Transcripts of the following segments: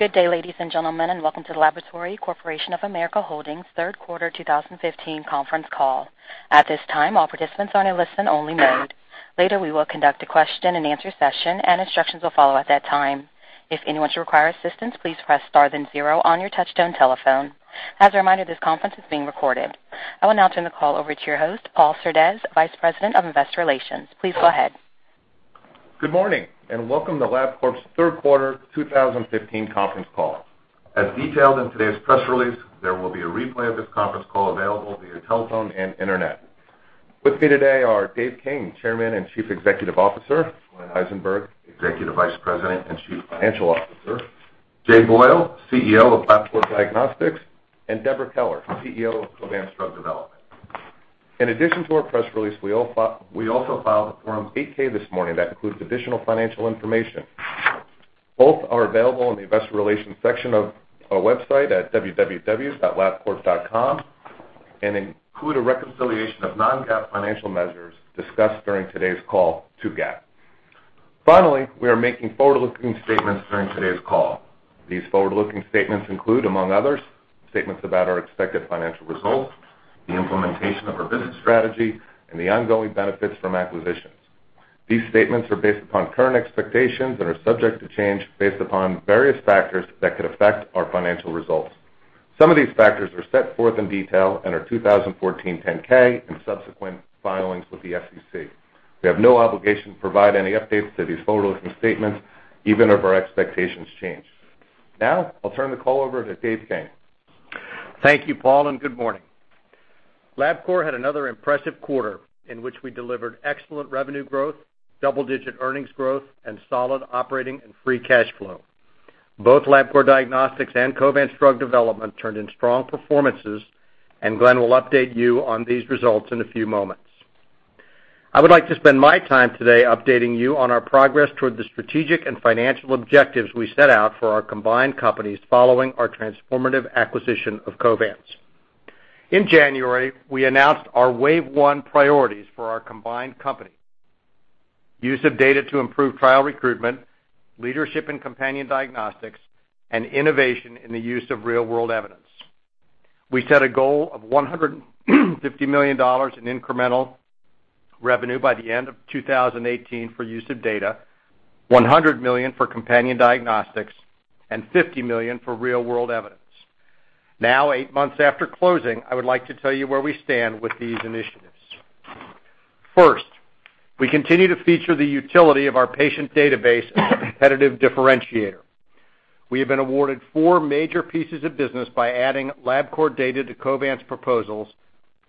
Good day, ladies and gentlemen, and welcome to the Laboratory Corporation of America Holdings third quarter 2015 conference call. At this time, all participants are on a listen-only mode. Later, we will conduct a question-and-answer session, and instructions will follow at that time. If anyone should require assistance, please press star then zero on your touchstone telephone. As a reminder, this conference is being recorded. I will now turn the call over to your host, Paul Surdez, Vice President of Investor Relations. Please go ahead. Good morning, and welcome to Labcorp's third quarter 2015 conference call. As detailed in today's press release, there will be a replay of this conference call available via telephone and internet. With me today are Dave King, Chairman and Chief Executive Officer; Glenn Eisenberg, Executive Vice President and Chief Financial Officer; Jay Boyle, CEO of Labcorp Diagnostics; and Deborah Keller, CEO of Covance Drug Development. In addition to our press release, we also filed a Form 8-K this morning that includes additional financial information. Both are available in the Investor Relations section of our website at www.labcorp.com and include a reconciliation of non-GAAP financial measures discussed during today's call to GAAP. Finally, we are making forward-looking statements during today's call. These forward-looking statements include, among others, statements about our expected financial results, the implementation of our business strategy, and the ongoing benefits from acquisitions. These statements are based upon current expectations and are subject to change based upon various factors that could affect our financial results. Some of these factors are set forth in detail in our 2014 10-K and subsequent filings with the SEC. We have no obligation to provide any updates to these forward-looking statements, even if our expectations change. Now, I'll turn the call over to Dave King. Thank you, Paul, and good morning. Labcorp had another impressive quarter in which we delivered excellent revenue growth, double-digit earnings growth, and solid operating and free cash flow. Both Labcorp Diagnostics and Covance Drug Development turned in strong performances, and Glenn will update you on these results in a few moments. I would like to spend my time today updating you on our progress toward the strategic and financial objectives we set out for our combined companies following our transformative acquisition of Covance. In January, we announced our Wave One priorities for our combined company: use of data to improve trial recruitment, leadership in companion diagnostics, and innovation in the use of real-world evidence. We set a goal of $150 million in incremental revenue by the end of 2018 for use of data, $100 million for companion diagnostics, and $50 million for real-world evidence. Now, eight months after closing, I would like to tell you where we stand with these initiatives. First, we continue to feature the utility of our patient database as a competitive differentiator. We have been awarded four major pieces of business by adding Labcorp data to Covance's proposals,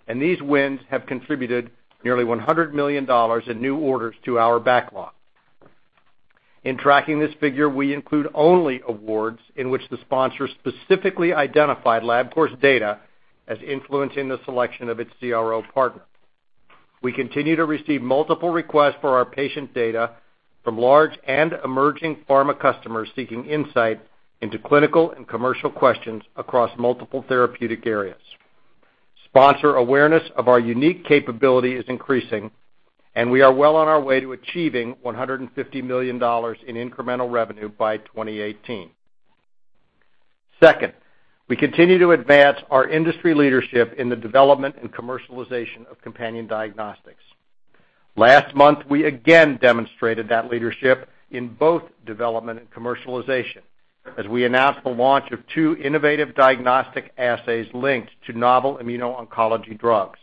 and these wins have contributed nearly $100 million in new orders to our backlog. In tracking this figure, we include only awards in which the sponsor specifically identified Labcorp's data as influencing the selection of its CRO partner. We continue to receive multiple requests for our patient data from large and emerging pharma customers seeking insight into clinical and commercial questions across multiple therapeutic areas. Sponsor awareness of our unique capability is increasing, and we are well on our way to achieving $150 million in incremental revenue by 2018. Second, we continue to advance our industry leadership in the development and commercialization of companion diagnostics. Last month, we again demonstrated that leadership in both development and commercialization as we announced the launch of two innovative diagnostic assays linked to novel immuno-oncology drugs.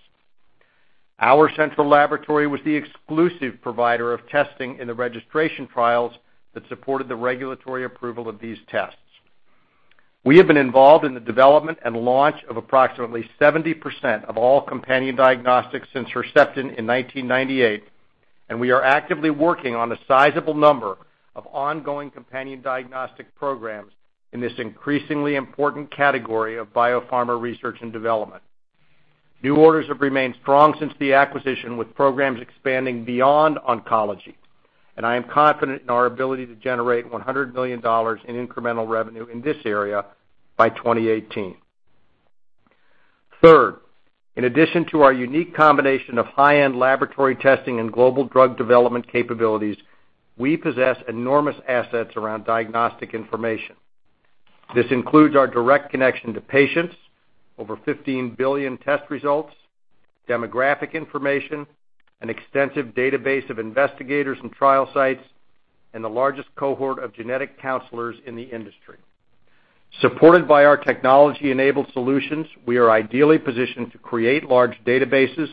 Our central laboratory was the exclusive provider of testing in the registration trials that supported the regulatory approval of these tests. We have been involved in the development and launch of approximately 70% of all companion diagnostics since Herceptin in 1998, and we are actively working on a sizable number of ongoing companion diagnostic programs in this increasingly important category of biopharma research and development. New orders have remained strong since the acquisition, with programs expanding beyond oncology, and I am confident in our ability to generate $100 million in incremental revenue in this area by 2018. Third, in addition to our unique combination of high-end laboratory testing and global drug development capabilities, we possess enormous assets around diagnostic information. This includes our direct connection to patients, over 15 billion test results, demographic information, an extensive database of investigators and trial sites, and the largest cohort of genetic counselors in the industry. Supported by our technology-enabled solutions, we are ideally positioned to create large databases,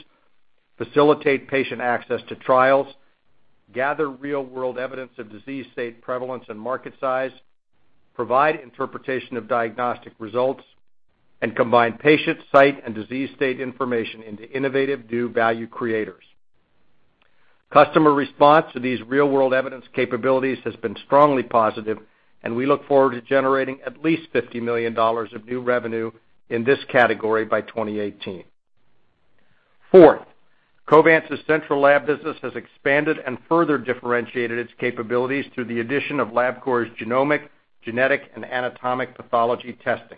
facilitate patient access to trials, gather real-world evidence of disease state prevalence and market size, provide interpretation of diagnostic results, and combine patient site and disease state information into innovative new value creators. Customer response to these real-world evidence capabilities has been strongly positive, and we look forward to generating at least $50 million of new revenue in this category by 2018. Fourth, Covance's central lab business has expanded and further differentiated its capabilities through the addition of Labcorp's genomic, genetic, and anatomic pathology testing.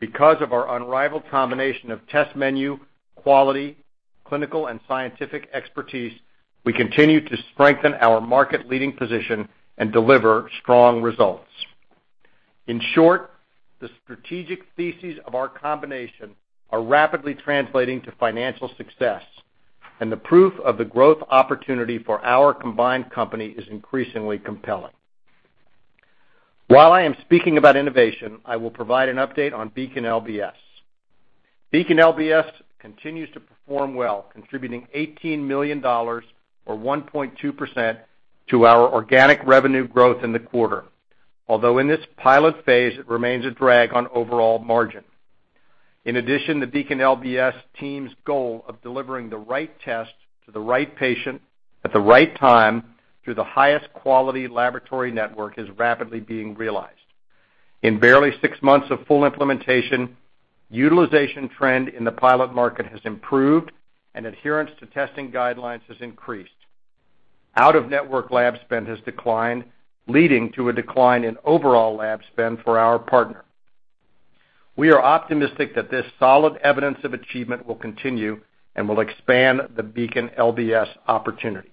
Because of our unrivaled combination of test menu, quality, clinical, and scientific expertise, we continue to strengthen our market-leading position and deliver strong results. In short, the strategic theses of our combination are rapidly translating to financial success, and the proof of the growth opportunity for our combined company is increasingly compelling. While I am speaking about innovation, I will provide an update on Beacon LBS. Beacon LBS continues to perform well, contributing $18 million, or 1.2%, to our organic revenue growth in the quarter, although in this pilot phase it remains a drag on overall margin. In addition, the Beacon LBS team's goal of delivering the right test to the right patient at the right time through the highest quality laboratory network is rapidly being realized. In barely six months of full implementation, utilization trend in the pilot market has improved, and adherence to testing guidelines has increased. Out-of-network lab spend has declined, leading to a decline in overall lab spend for our partner. We are optimistic that this solid evidence of achievement will continue and will expand the Beacon LBS opportunity.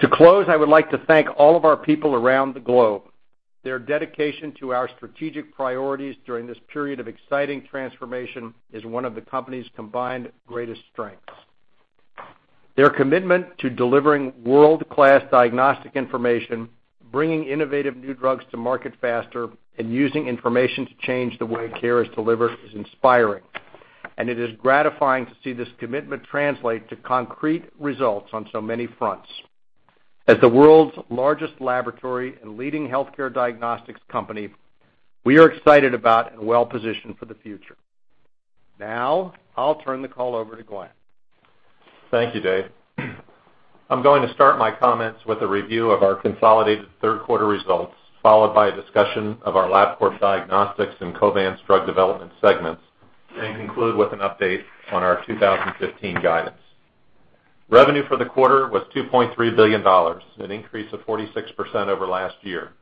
To close, I would like to thank all of our people around the globe. Their dedication to our strategic priorities during this period of exciting transformation is one of the company's combined greatest strengths. Their commitment to delivering world-class diagnostic information, bringing innovative new drugs to market faster, and using information to change the way care is delivered is inspiring, and it is gratifying to see this commitment translate to concrete results on so many fronts. As the world's largest laboratory and leading healthcare diagnostics company, we are excited about and well-positioned for the future. Now, I'll turn the call over to Glenn. Thank you, Dave. I'm going to start my comments with a review of our consolidated third quarter results, followed by a discussion of our Labcorp Diagnostics and Covance Drug Development segments, and conclude with an update on our 2015 guidance. Revenue for the quarter was $2.3 billion, an increase of 46% over last year.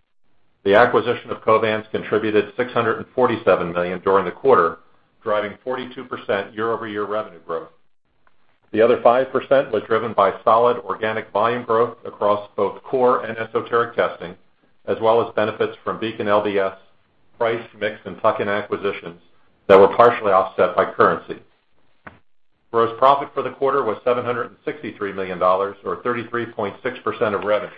The acquisition of Covance contributed $647 million during the quarter, driving 42% year-over-year revenue growth. The other 5% was driven by solid organic volume growth across both core and esoteric testing, as well as benefits from Beacon LBS, price, mix, and tuck-in acquisitions that were partially offset by currency. Gross profit for the quarter was $763 million, or 33.6% of revenue,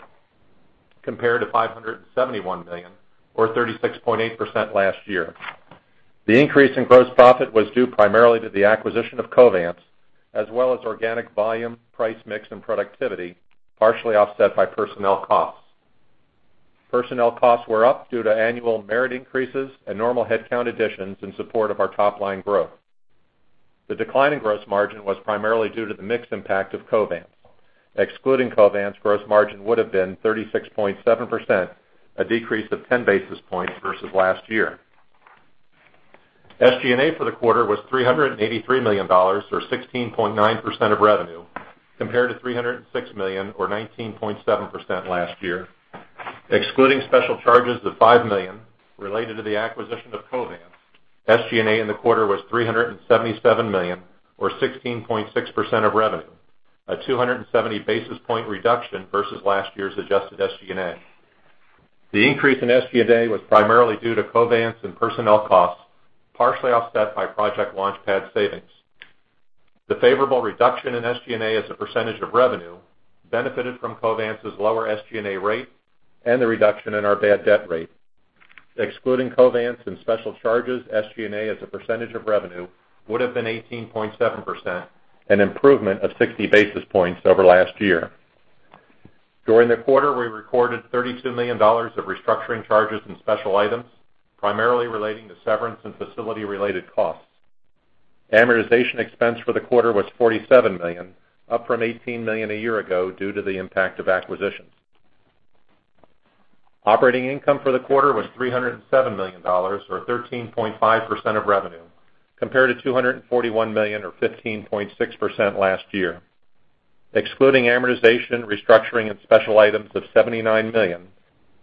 compared to $571 million, or 36.8% last year. The increase in gross profit was due primarily to the acquisition of Covance, as well as organic volume, price, mix, and productivity, partially offset by personnel costs. Personnel costs were up due to annual merit increases and normal headcount additions in support of our top-line growth. The decline in gross margin was primarily due to the mixed impact of Covance. Excluding Covance, gross margin would have been 36.7%, a decrease of 10 basis points versus last year. SG&A for the quarter was $383 million, or 16.9% of revenue, compared to $306 million, or 19.7% last year. Excluding special charges of $5 million related to the acquisition of Covance, SG&A in the quarter was $377 million, or 16.6% of revenue, a 270 basis point reduction versus last year's adjusted SG&A. The increase in SG&A was primarily due to Covance's and personnel costs, partially offset by project launchpad savings. The favorable reduction in SG&A as a percentage of revenue benefited from Covance's lower SG&A rate and the reduction in our bad debt rate. Excluding Covance and special charges, SG&A as a percentage of revenue would have been 18.7%, an improvement of 60 basis points over last year. During the quarter, we recorded $32 million of restructuring charges and special items, primarily relating to severance and facility-related costs. Amortization expense for the quarter was $47 million, up from $18 million a year ago due to the impact of acquisitions. Operating income for the quarter was $307 million, or 13.5% of revenue, compared to $241 million, or 15.6% last year. Excluding amortization, restructuring, and special items of $79 million,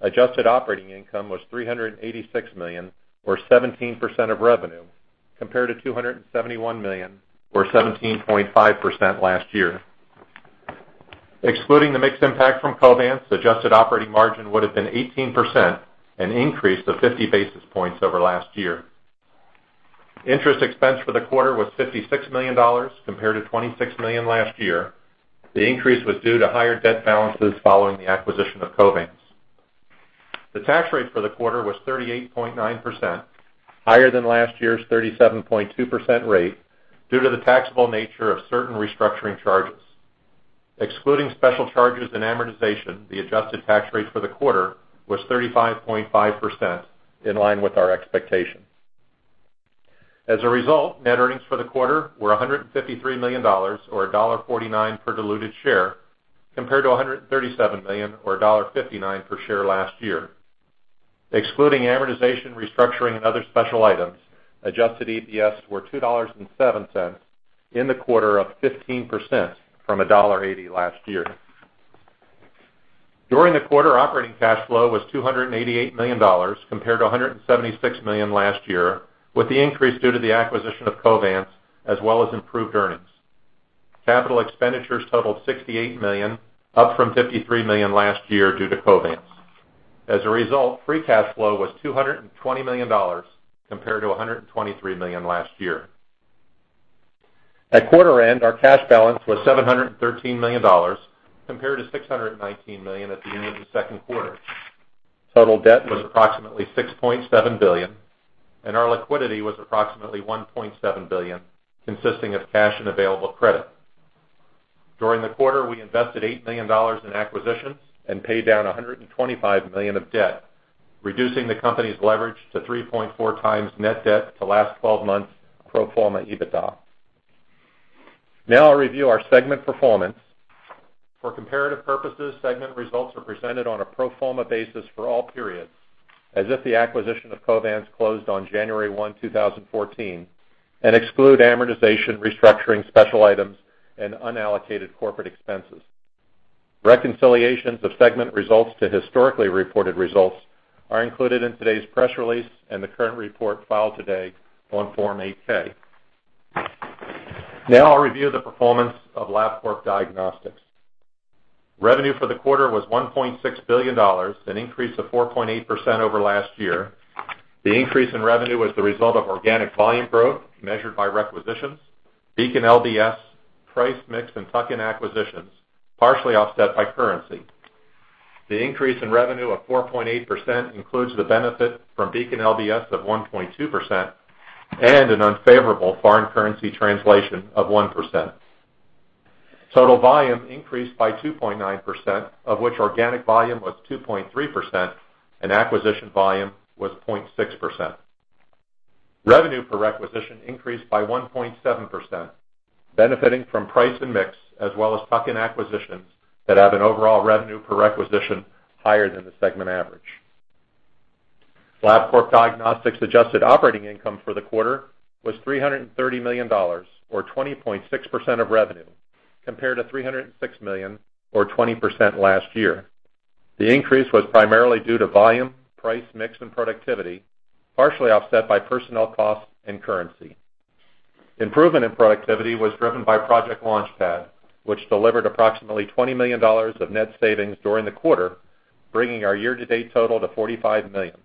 adjusted operating income was $386 million, or 17% of revenue, compared to $271 million, or 17.5% last year. Excluding the mixed impact from Covance, adjusted operating margin would have been 18%, an increase of 50 basis points over last year. Interest expense for the quarter was $56 million, compared to $26 million last year. The increase was due to higher debt balances following the acquisition of Covance. The tax rate for the quarter was 38.9%, higher than last year's 37.2% rate due to the taxable nature of certain restructuring charges. Excluding special charges and amortization, the adjusted tax rate for the quarter was 35.5%, in line with our expectation. As a result, net earnings for the quarter were $153 million, or $1.49 per diluted share, compared to $137 million, or $1.59 per share last year. Excluding amortization, restructuring, and other special items, adjusted EPS were $2.07 in the quarter, up 15% from $1.80 last year. During the quarter, operating cash flow was $288 million, compared to $176 million last year, with the increase due to the acquisition of Covance, as well as improved earnings. Capital expenditures totaled $68 million, up from $53 million last year due to Covance. As a result, free cash flow was $220 million, compared to $123 million last year. At quarter end, our cash balance was $713 million, compared to $619 million at the end of the second quarter. Total debt was approximately $6.7 billion, and our liquidity was approximately $1.7 billion, consisting of cash and available credit. During the quarter, we invested $8 million in acquisitions and paid down $125 million of debt, reducing the company's leverage to 3.4 times net debt to last 12 months' pro forma EBITDA. Now, I'll review our segment performance. For comparative purposes, segment results are presented on a pro forma basis for all periods, as if the acquisition of Covance closed on January 1, 2014, and exclude amortization, restructuring, special items, and unallocated corporate expenses. Reconciliations of segment results to historically reported results are included in today's press release and the current report filed today on Form 8-K. Now, I'll review the performance of Labcorp Diagnostics. Revenue for the quarter was $1.6 billion, an increase of 4.8% over last year. The increase in revenue was the result of organic volume growth measured by requisitions, Beacon LBS, price, mix, and tuck-in acquisitions, partially offset by currency. The increase in revenue of 4.8% includes the benefit from Beacon LBS of 1.2% and an unfavorable foreign currency translation of 1%. Total volume increased by 2.9%, of which organic volume was 2.3%, and acquisition volume was 0.6%. Revenue per requisition increased by 1.7%, benefiting from price and mix, as well as tuck-in acquisitions that have an overall revenue per requisition higher than the segment average. Labcorp Diagnostics' adjusted operating income for the quarter was $330 million, or 20.6% of revenue, compared to $306 million, or 20% last year. The increase was primarily due to volume, price, mix, and productivity, partially offset by personnel costs and currency. Improvement in productivity was driven by Project LaunchPad, which delivered approximately $20 million of net savings during the quarter, bringing our year-to-date total to $45 million.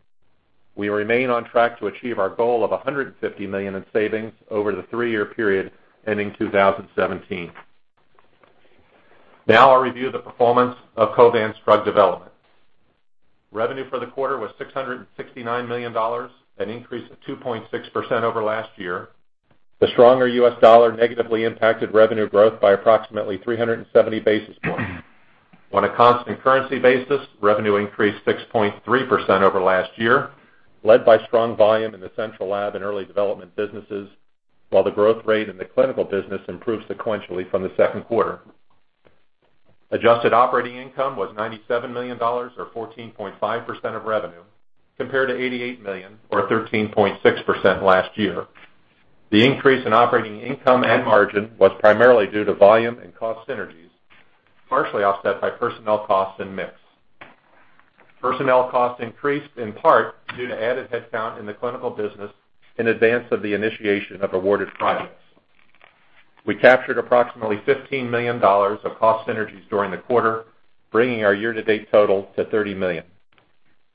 We remain on track to achieve our goal of $150 million in savings over the three-year period ending 2017. Now, I'll review the performance of Covance's drug development. Revenue for the quarter was $669 million, an increase of 2.6% over last year. The stronger U.S. dollar negatively impacted revenue growth by approximately 370 basis points. On a cost and currency basis, revenue increased 6.3% over last year, led by strong volume in the central lab and early development businesses, while the growth rate in the clinical business improved sequentially from the second quarter. Adjusted operating income was $97 million, or 14.5% of revenue, compared to $88 million, or 13.6% last year. The increase in operating income and margin was primarily due to volume and cost synergies, partially offset by personnel costs and mix. Personnel costs increased in part due to added headcount in the clinical business in advance of the initiation of awarded projects. We captured approximately $15 million of cost synergies during the quarter, bringing our year-to-date total to $30 million.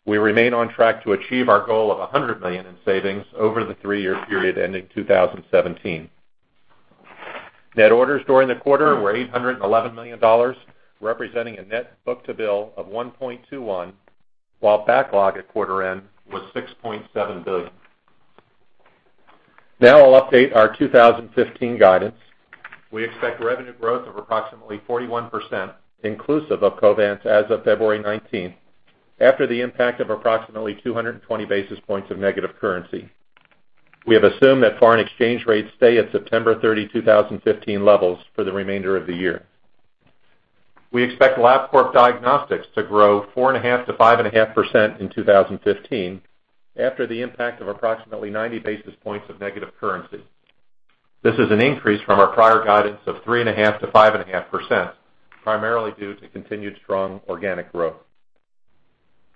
We remain on track to achieve our goal of $100 million in savings over the three-year period ending 2017. Net orders during the quarter were $811 million, representing a net book-to-bill of 1.21, while backlog at quarter end was $6.7 billion. Now, I'll update our 2015 guidance. We expect revenue growth of approximately 41%, inclusive of Covance as of February 19th, after the impact of approximately 220 basis points of negative currency. We have assumed that foreign exchange rates stay at September 30, 2015, levels for the remainder of the year. We expect Labcorp Diagnostics to grow 4.5%-5.5% in 2015, after the impact of approximately 90 basis points of negative currency. This is an increase from our prior guidance of 3.5%-5.5%, primarily due to continued strong organic growth.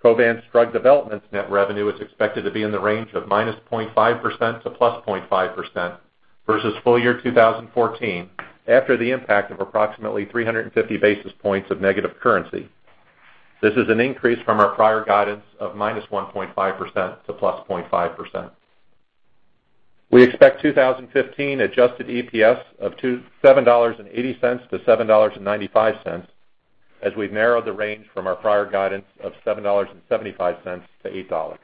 Covance Drug Development's net revenue is expected to be in the range of -0.5% to +0.5% versus full year 2014, after the impact of approximately 350 basis points of negative currency. This is an increase from our prior guidance of -1.5% to +0.5%. We expect 2015 adjusted EPS of $7.80-$7.95, as we've narrowed the range from our prior guidance of $7.75-$8.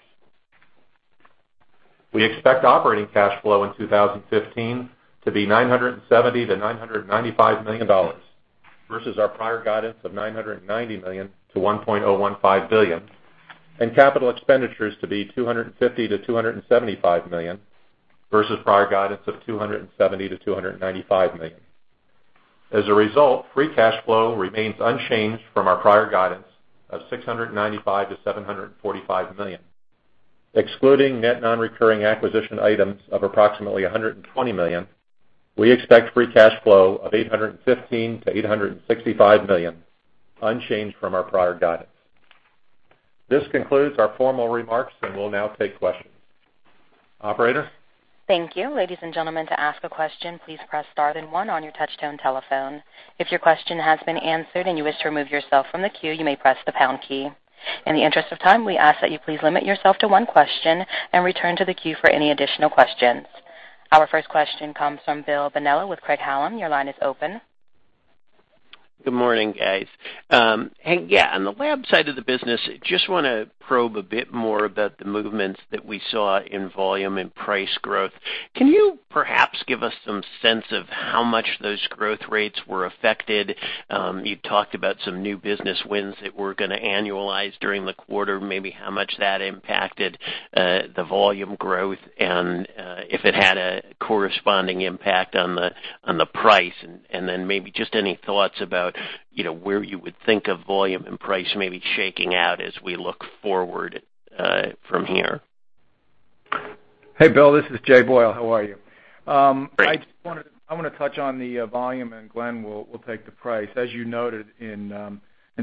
We expect operating cash flow in 2015 to be $970 million-$995 million versus our prior guidance of $990 million-$1.015 billion, and capital expenditures to be $250 million-$275 million versus prior guidance of $270 million-$295 million. As a result, free cash flow remains unchanged from our prior guidance of $695 million-$745 million. Excluding net non-recurring acquisition items of approximately $120 million, we expect free cash flow of $815 million-$865 million, unchanged from our prior guidance. This concludes our formal remarks and will now take questions. Operators. Thank you. Ladies and gentlemen, to ask a question, please press star then one on your touch-tone telephone. If your question has been answered and you wish to remove yourself from the queue, you may press the pound key. In the interest of time, we ask that you please limit yourself to one question and return to the queue for any additional questions. Our first question comes from Bill Bonello with Craig-Hallum. Your line is open. Good morning, guys. Hey, yeah, on the lab side of the business, just want to probe a bit more about the movements that we saw in volume and price growth. Can you perhaps give us some sense of how much those growth rates were affected? You talked about some new business wins that were going to annualize during the quarter, maybe how much that impacted the volume growth and if it had a corresponding impact on the price, and then maybe just any thoughts about where you would think of volume and price maybe shaking out as we look forward from here. Hey, Bill, this is Jay Boyle. How are you? I want to touch on the volume, and Glenn will take the price. As you noted in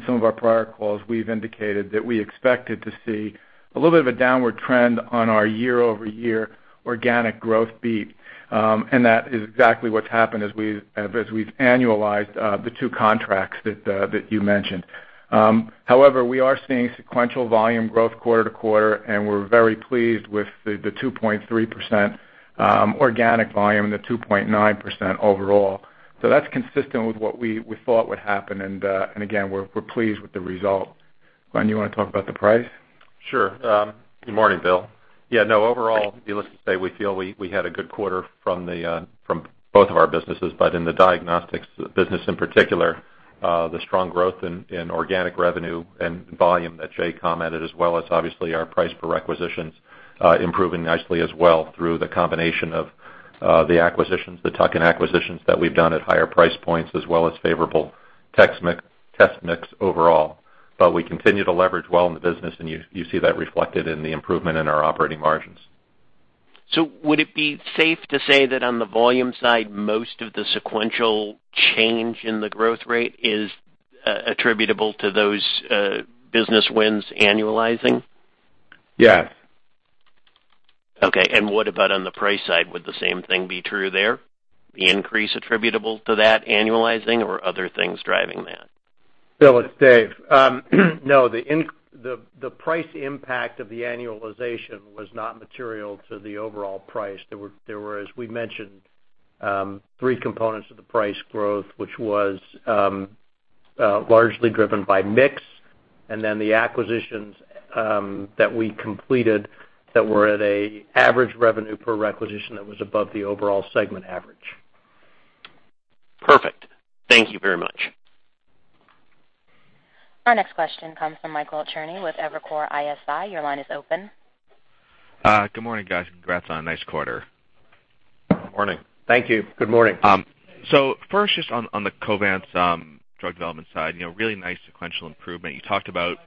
some of our prior calls, we've indicated that we expected to see a little bit of a downward trend on our year-over-year organic growth beat, and that is exactly what's happened as we've annualized the two contracts that you mentioned. However, we are seeing sequential volume growth quarter to quarter, and we're very pleased with the 2.3% organic volume and the 2.9% overall. That's consistent with what we thought would happen, and again, we're pleased with the result. Glenn, you want to talk about the price? Sure. Good morning, Bill. Yeah, no, overall, needless to say, we feel we had a good quarter from both of our businesses, but in the diagnostics business in particular, the strong growth in organic revenue and volume that Jay commented, as well as obviously our price per requisitions improving nicely as well through the combination of the acquisitions, the tuck-in acquisitions that we've done at higher price points, as well as favorable test mix overall. We continue to leverage well in the business, and you see that reflected in the improvement in our operating margins. Would it be safe to say that on the volume side, most of the sequential change in the growth rate is attributable to those business wins annualizing? Yes. Okay. What about on the price side? Would the same thing be true there? The increase attributable to that annualizing or other things driving that? Bill, it's Dave. No, the price impact of the annualization was not material to the overall price. There were, as we mentioned, three components of the price growth, which was largely driven by mix, and then the acquisitions that we completed that were at an average revenue per requisition that was above the overall segment average. Perfect. Thank you very much. Our next question comes from Michael Cherny with Evercore ISI. Your line is open. Good morning, guys. Congrats on a nice quarter. Morning. Thank you. Good morning. First, just on the Covance drug development side, really nice sequential improvement. You talked about,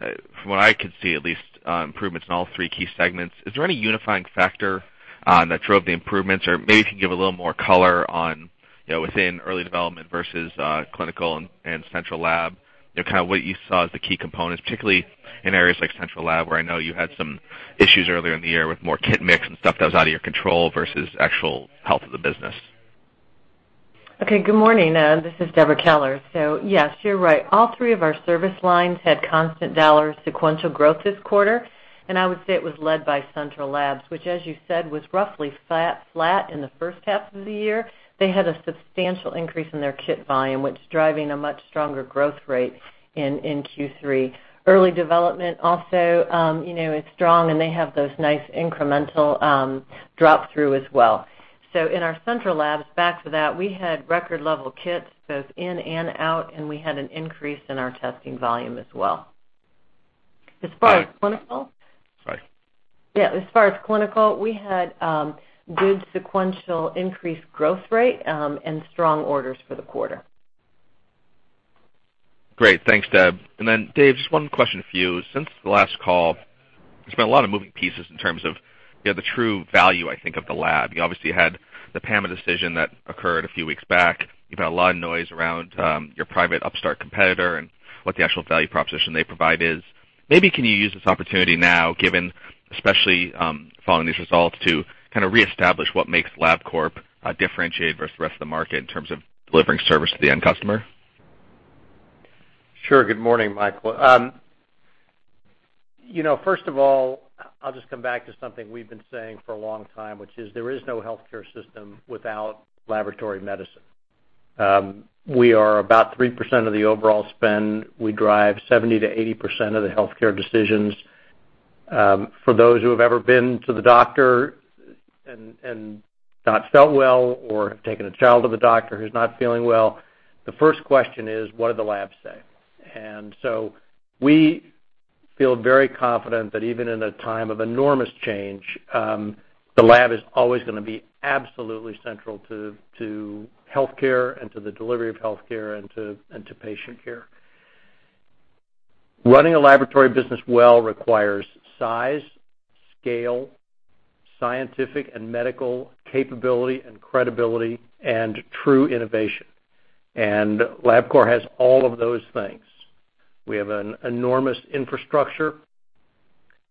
from what I could see at least, improvements in all three key segments. Is there any unifying factor that drove the improvements, or maybe if you can give a little more color on within early development versus clinical and central lab, kind of what you saw as the key components, particularly in areas like central lab, where I know you had some issues earlier in the year with more kit mix and stuff that was out of your control versus actual health of the business? Okay. Good morning. This is Deborah Keller. Yes, you're right. All three of our service lines had constant dollar sequential growth this quarter, and I would say it was led by central labs, which, as you said, was roughly flat in the first half of the year. They had a substantial increase in their kit volume, which is driving a much stronger growth rate in Q3. Early development also is strong, and they have those nice incremental drop-through as well. In our central labs, back to that, we had record-level kits both in and out, and we had an increase in our testing volume as well. As far as clinical. Sorry. Yeah. As far as clinical, we had good sequential increased growth rate and strong orders for the quarter. Great. Thanks, Deb. Dave, just one question for you. Since the last call, there's been a lot of moving pieces in terms of the true value, I think, of the lab. You obviously had the PAMA decision that occurred a few weeks back. You've had a lot of noise around your private upstart competitor and what the actual value proposition they provide is. Maybe can you use this opportunity now, given, especially following these results, to kind of reestablish what makes Labcorp differentiate versus the rest of the market in terms of delivering service to the end customer? Sure. Good morning, Michael. First of all, I'll just come back to something we've been saying for a long time, which is there is no healthcare system without laboratory medicine. We are about 3% of the overall spend. We drive 70%-80% of the healthcare decisions. For those who have ever been to the doctor and not felt well or have taken a child to the doctor who's not feeling well, the first question is, what do the labs say? We feel very confident that even in a time of enormous change, the lab is always going to be absolutely central to healthcare and to the delivery of healthcare and to patient care. Running a laboratory business well requires size, scale, scientific and medical capability and credibility and true innovation. Labcorp has all of those things. We have an enormous infrastructure.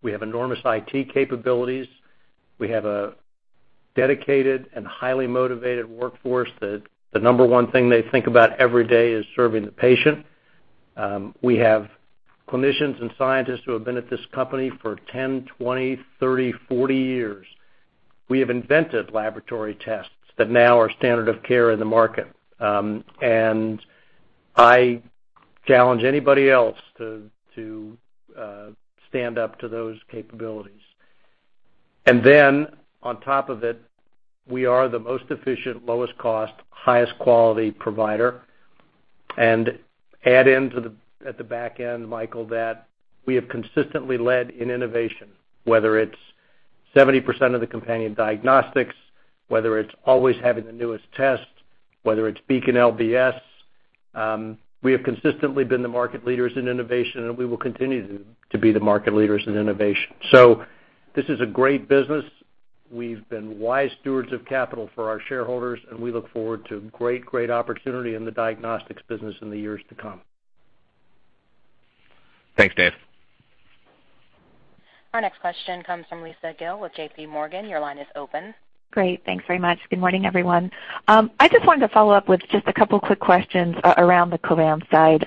We have enormous IT capabilities. We have a dedicated and highly motivated workforce that the number one thing they think about every day is serving the patient. We have clinicians and scientists who have been at this company for 10, 20, 30, 40 years. We have invented laboratory tests that now are standard of care in the market. I challenge anybody else to stand up to those capabilities. On top of it, we are the most efficient, lowest cost, highest quality provider. Add in at the back end, Michael, that we have consistently led in innovation, whether it's 70% of the companion diagnostics, whether it's always having the newest tests, whether it's Beacon LBS. We have consistently been the market leaders in innovation, and we will continue to be the market leaders in innovation. This is a great business. We've been wise stewards of capital for our shareholders, and we look forward to a great, great opportunity in the diagnostics business in the years to come. Thanks, Dave. Our next question comes from Lisa Gill with JPMorgan. Your line is open. Great. Thanks very much. Good morning, everyone. I just wanted to follow up with just a couple of quick questions around the Covance side.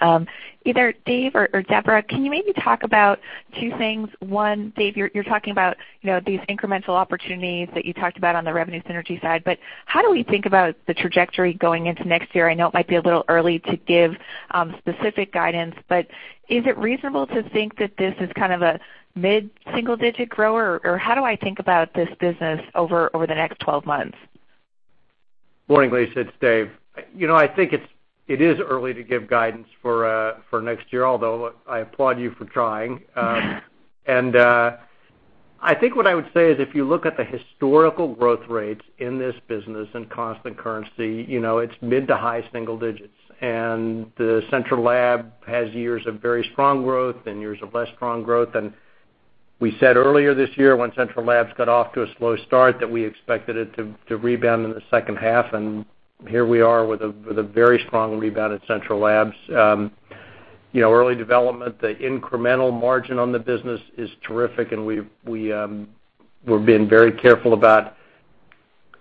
Either Dave or Deborah, can you maybe talk about two things? One, Dave, you're talking about these incremental opportunities that you talked about on the revenue synergy side, but how do we think about the trajectory going into next year? I know it might be a little early to give specific guidance, but is it reasonable to think that this is kind of a mid-single-digit grower, or how do I think about this business over the next 12 months? Morning, Lisa. It's Dave. I think it is early to give guidance for next year, although I applaud you for trying. I think what I would say is if you look at the historical growth rates in this business in constant currency, it's mid to high single digits. The central lab has years of very strong growth and years of less strong growth. We said earlier this year when central labs got off to a slow start that we expected it to rebound in the second half, and here we are with a very strong rebound at central labs. Early development, the incremental margin on the business is terrific, and we've been very careful about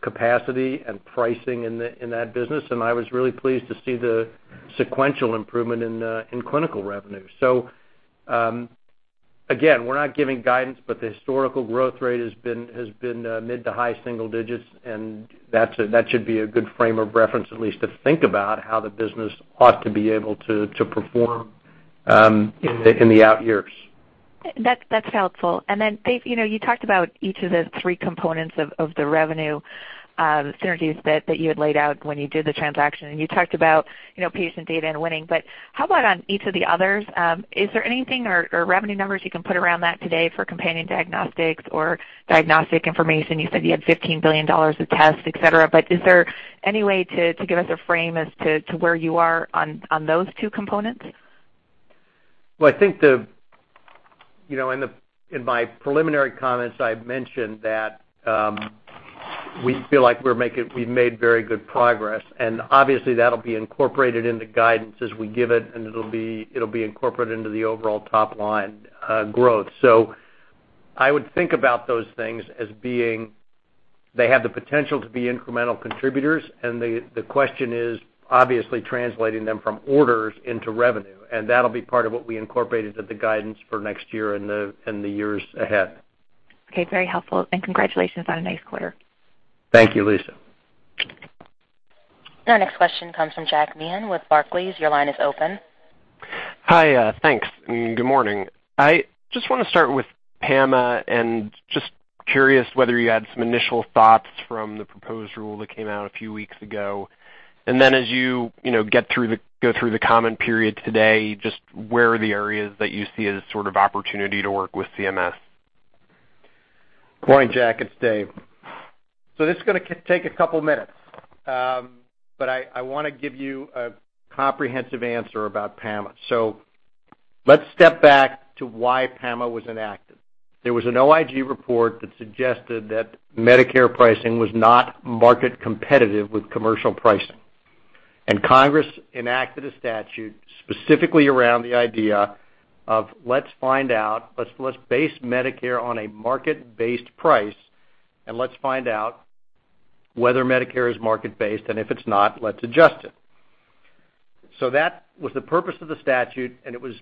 capacity and pricing in that business. I was really pleased to see the sequential improvement in clinical revenue. Again, we're not giving guidance, but the historical growth rate has been mid to high single digits, and that should be a good frame of reference at least to think about how the business ought to be able to perform in the out years. That's helpful. Dave, you talked about each of the three components of the revenue synergies that you had laid out when you did the transaction, and you talked about patient data and winning. How about on each of the others? Is there anything or revenue numbers you can put around that today for companion diagnostics or diagnostic information? You said you had $15 billion of tests, etc., but is there any way to give us a frame as to where you are on those two components? I think in my preliminary comments, I mentioned that we feel like we've made very good progress. Obviously, that'll be incorporated into guidance as we give it, and it'll be incorporated into the overall top-line growth. I would think about those things as being they have the potential to be incremental contributors, and the question is obviously translating them from orders into revenue. That'll be part of what we incorporate into the guidance for next year and the years ahead. Okay. Very helpful. Congratulations on a nice quarter. Thank you, Lisa. Our next question comes from Jack Meehan with Barclays. Your line is open. Hi, thanks. Good morning. I just want to start with PAMA and just curious whether you had some initial thoughts from the proposed rule that came out a few weeks ago. As you go through the comment period today, just where are the areas that you see as sort of opportunity to work with CMS? Good morning, Jack. It's Dave. This is going to take a couple of minutes, but I want to give you a comprehensive answer about PAMA. Let's step back to why PAMA was enacted. There was an OIG report that suggested that Medicare pricing was not market competitive with commercial pricing. Congress enacted a statute specifically around the idea of, "Let's find out, let's base Medicare on a market-based price, and let's find out whether Medicare is market-based, and if it's not, let's adjust it." That was the purpose of the statute, and it was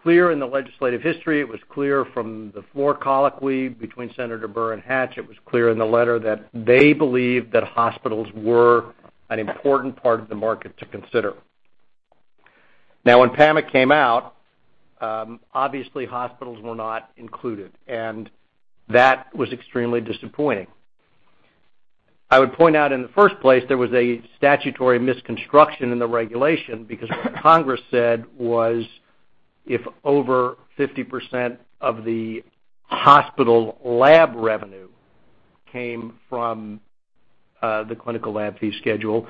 clear in the legislative history. It was clear from the floor colloquy between Senator Burr and Hatch. It was clear in the letter that they believed that hospitals were an important part of the market to consider. Now, when PAMA came out, obviously, hospitals were not included, and that was extremely disappointing. I would point out in the first place, there was a statutory misconstruction in the regulation because what Congress said was if over 50% of the hospital lab revenue came from the clinical lab fee schedule,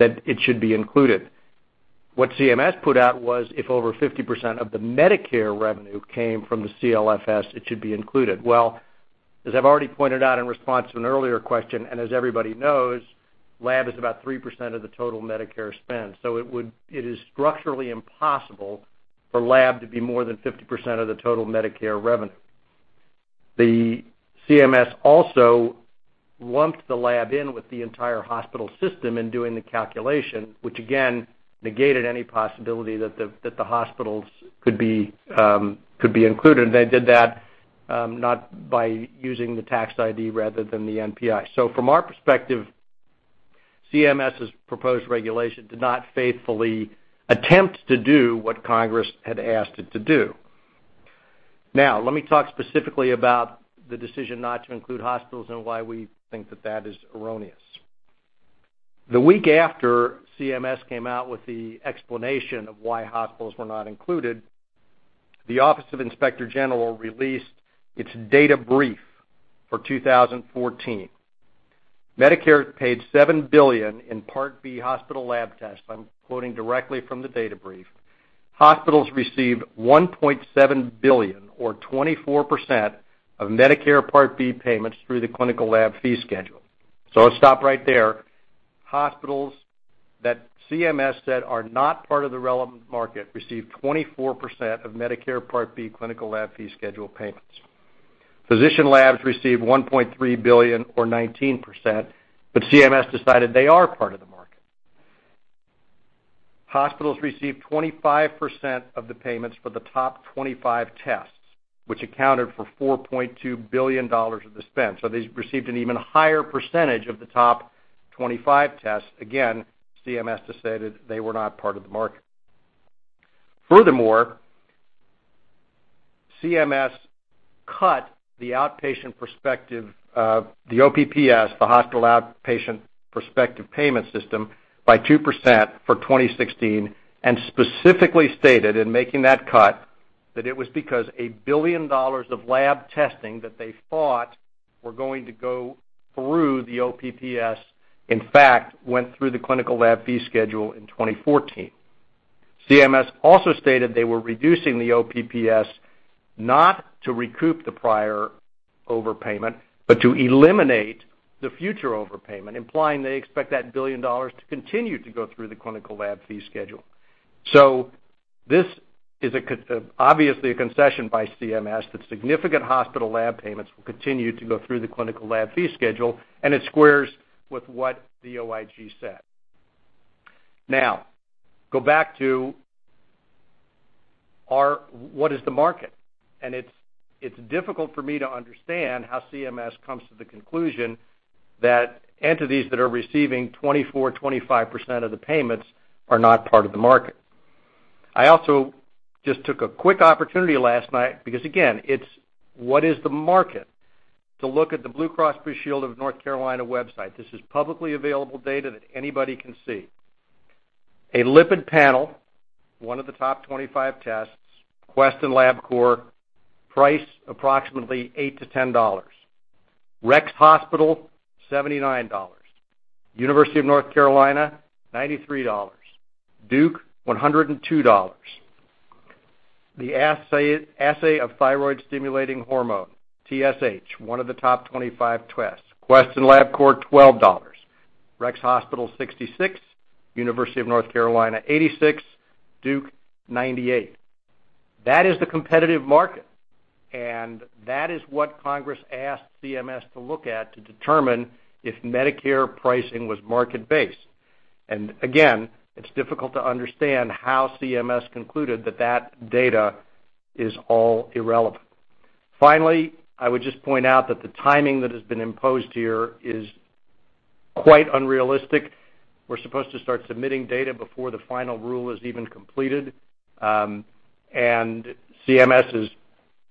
that it should be included. What CMS put out was if over 50% of the Medicare revenue came from the CLFS, it should be included. As I have already pointed out in response to an earlier question, and as everybody knows, lab is about 3% of the total Medicare spend. It is structurally impossible for lab to be more than 50% of the total Medicare revenue. CMS also lumped the lab in with the entire hospital system in doing the calculation, which again negated any possibility that the hospitals could be included. They did that not by using the tax ID rather than the NPI. From our perspective, CMS's proposed regulation did not faithfully attempt to do what Congress had asked it to do. Now, let me talk specifically about the decision not to include hospitals and why we think that that is erroneous. The week after CMS came out with the explanation of why hospitals were not included, the Office of Inspector General released its data brief for 2014. Medicare paid $7 billion in Part B hospital lab tests. I'm quoting directly from the data brief. Hospitals received $1.7 billion, or 24%, of Medicare Part B payments through the clinical lab fee schedule. I'll stop right there. Hospitals that CMS said are not part of the relevant market received 24% of Medicare Part B clinical lab fee schedule payments. Physician labs received $1.3 billion, or 19%, but CMS decided they are part of the market. Hospitals received 25% of the payments for the top 25 tests, which accounted for $4.2 billion of the spend. They received an even higher percentage of the top 25 tests. Again, CMS decided they were not part of the market. Furthermore, CMS cut the outpatient prospective, the OPPS, the hospital outpatient prospective payment system by 2% for 2016 and specifically stated in making that cut that it was because a billion dollars of lab testing that they thought were going to go through the OPPS, in fact, went through the clinical laboratory fee schedule in 2014. CMS also stated they were reducing the OPPS not to recoup the prior overpayment, but to eliminate the future overpayment, implying they expect that billion dollars to continue to go through the clinical laboratory fee schedule. This is obviously a concession by CMS that significant hospital lab payments will continue to go through the clinical lab fee schedule, and it squares with what the OIG said. Now, go back to what is the market? It's difficult for me to understand how CMS comes to the conclusion that entities that are receiving 24%-25% of the payments are not part of the market. I also just took a quick opportunity last night because, again, it's what is the market, to look at the Blue Cross Blue Shield of North Carolina website. This is publicly available data that anybody can see. A lipid panel, one of the top 25 tests, Quest and Labcorp, price approximately $8-$10. Rex Hospital, $79. University of North Carolina, $93. Duke, $102. The assay of thyroid stimulating hormone, TSH, one of the top 25 tests. Quest and Labcorp, $12. Rex Hospital, $66. University of North Carolina, $86. Duke, $98. That is the competitive market, and that is what Congress asked CMS to look at to determine if Medicare pricing was market-based. It is difficult to understand how CMS concluded that that data is all irrelevant. Finally, I would just point out that the timing that has been imposed here is quite unrealistic. We're supposed to start submitting data before the final rule is even completed, and CMS is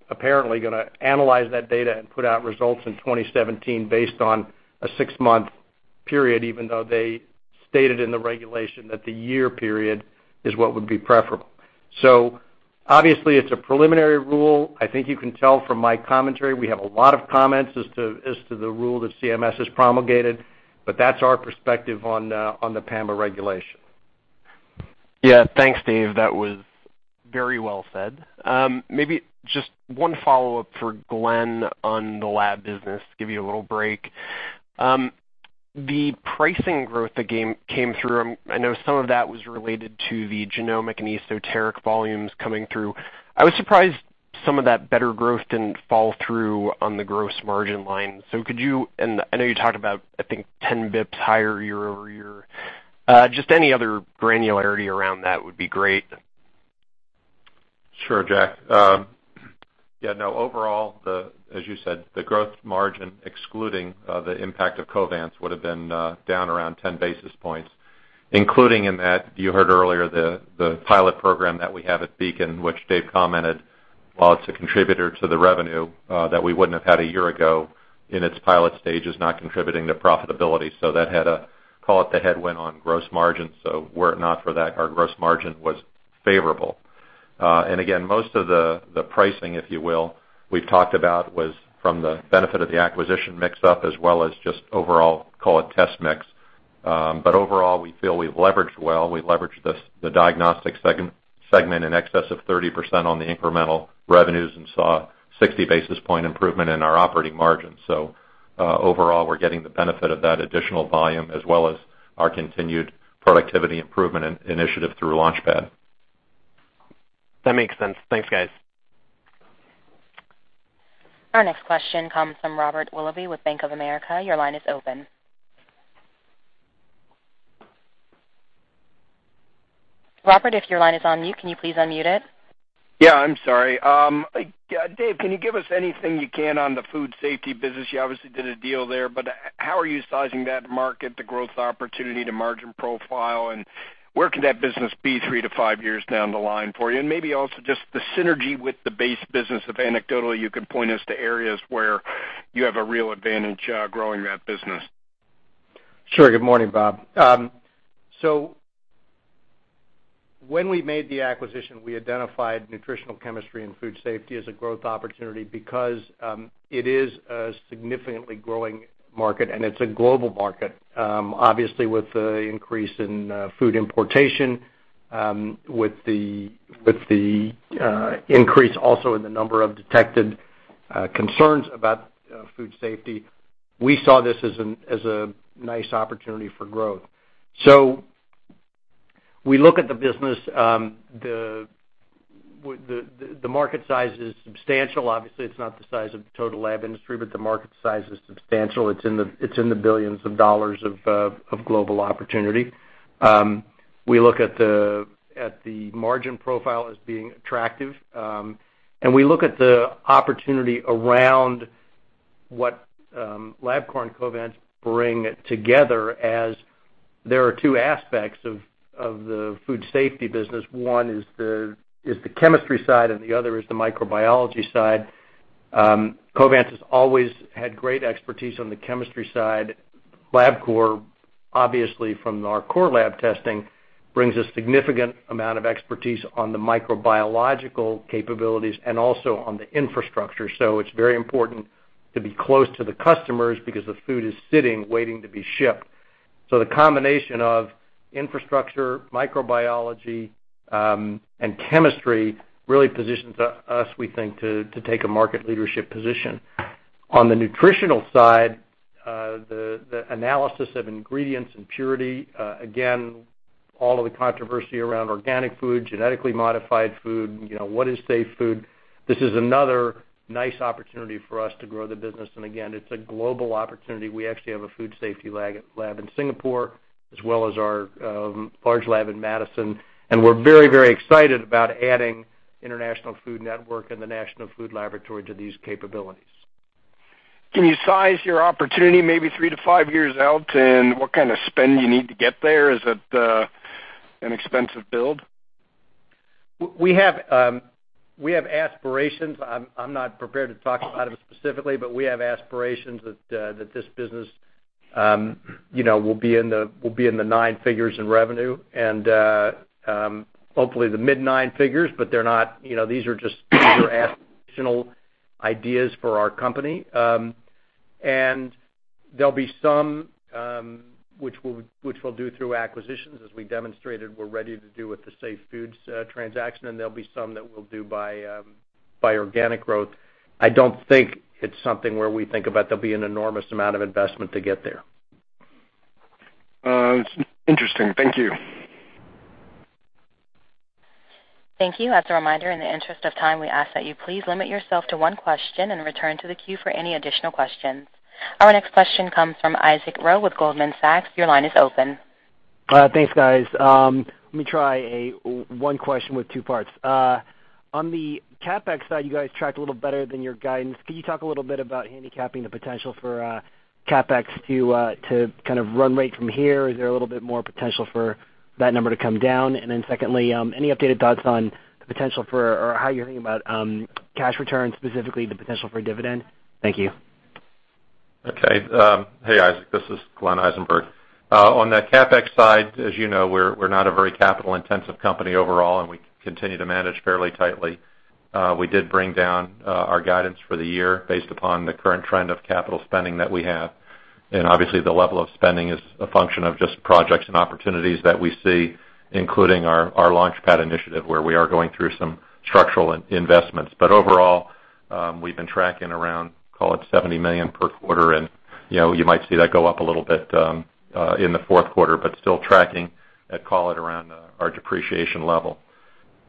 apparently going to analyze that data and put out results in 2017 based on a six-month period, even though they stated in the regulation that the year period is what would be preferable. Obviously, it's a preliminary rule. I think you can tell from my commentary, we have a lot of comments as to the rule that CMS has promulgated, but that's our perspective on the PAMA regulation. Yeah. Thanks, Dave. That was very well said. Maybe just one follow-up for Glenn on the lab business to give you a little break. The pricing growth that came through, I know some of that was related to the genomic and esoteric volumes coming through. I was surprised some of that better growth did not fall through on the gross margin line. Could you—and I know you talked about, I think, 10 bps higher year-over-year. Just any other granularity around that would be great. Sure, Jack. Yeah. No, overall, as you said, the gross margin, excluding the impact of Covance, would have been down around 10 basis points. Including in that, you heard earlier the pilot program that we have at Beacon, which Dave commented, while it's a contributor to the revenue, that we wouldn't have had a year ago in its pilot stages not contributing to profitability. That had a, call it, the headwind on gross margin. Were it not for that, our gross margin was favorable. Again, most of the pricing, if you will, we've talked about was from the benefit of the acquisition mix-up as well as just overall, call it, test mix. Overall, we feel we've leveraged well. We leveraged the diagnostic segment in excess of 30% on the incremental revenues and saw 60 basis point improvement in our operating margin. Overall, we're getting the benefit of that additional volume as well as our continued productivity improvement initiative through Launchpad. That makes sense. Thanks, guys. Our next question comes from Robert Willoughby with Bank of America. Your line is open. Robert, if your line is on mute, can you please unmute it? Yeah. I'm sorry. Dave, can you give us anything you can on the food safety business? You obviously did a deal there, but how are you sizing that market, the growth opportunity, the margin profile, and where can that business be three to five years down the line for you? Maybe also just the synergy with the base business of Anecdotal, you can point us to areas where you have a real advantage growing that business. Sure. Good morning, Bob. When we made the acquisition, we identified nutritional chemistry and food safety as a growth opportunity because it is a significantly growing market, and it's a global market. Obviously, with the increase in food importation, with the increase also in the number of detected concerns about food safety, we saw this as a nice opportunity for growth. We look at the business. The market size is substantial. Obviously, it's not the size of the total lab industry, but the market size is substantial. It's in the billions of dollars of global opportunity. We look at the margin profile as being attractive, and we look at the opportunity around what Labcorp and Covance bring together as there are two aspects of the food safety business. One is the chemistry side, and the other is the microbiology side. Coban has always had great expertise on the chemistry side. Labcorp, obviously, from our core lab testing, brings a significant amount of expertise on the microbiological capabilities and also on the infrastructure. It is very important to be close to the customers because the food is sitting, waiting to be shipped. The combination of infrastructure, microbiology, and chemistry really positions us, we think, to take a market leadership position. On the nutritional side, the analysis of ingredients and purity, again, all of the controversy around organic food, genetically modified food, what is safe food, this is another nice opportunity for us to grow the business. It is a global opportunity. We actually have a food safety lab in Singapore as well as our large lab in Madison, and we are very, very excited about adding International Food Network and the National Food Laboratory to these capabilities. Can you size your opportunity maybe three to five years out, and what kind of spend you need to get there? Is it an expensive build? We have aspirations. I'm not prepared to talk about it specifically, but we have aspirations that this business will be in the nine figures in revenue and hopefully the mid-nine figures, but they're not, these are just additional ideas for our company. There'll be some which we'll do through acquisitions, as we demonstrated we're ready to do with the safe foods transaction, and there'll be some that we'll do by organic growth. I don't think it's something where we think about there'll be an enormous amount of investment to get there. Interesting. Thank you. Thank you. As a reminder, in the interest of time, we ask that you please limit yourself to one question and return to the queue for any additional questions. Our next question comes from Isaac Ro with Goldman Sachs. Your line is open. Thanks, guys. Let me try one question with two parts. On the CapEx side, you guys tracked a little better than your guidance. Could you talk a little bit about handicapping the potential for CapEx to kind of run rate from here? Is there a little bit more potential for that number to come down? Secondly, any updated thoughts on the potential for—or how you're thinking about cash returns, specifically the potential for dividend? Thank you. Okay. Hey, Isaac. This is Glenn Eisenberg. On the CapEx side, as you know, we're not a very capital-intensive company overall, and we continue to manage fairly tightly. We did bring down our guidance for the year based upon the current trend of capital spending that we have. Obviously, the level of spending is a function of just projects and opportunities that we see, including our Launchpad initiative where we are going through some structural investments. Overall, we've been tracking around, call it, $70 million per quarter, and you might see that go up a little bit in the fourth quarter, but still tracking at, call it, around our depreciation level.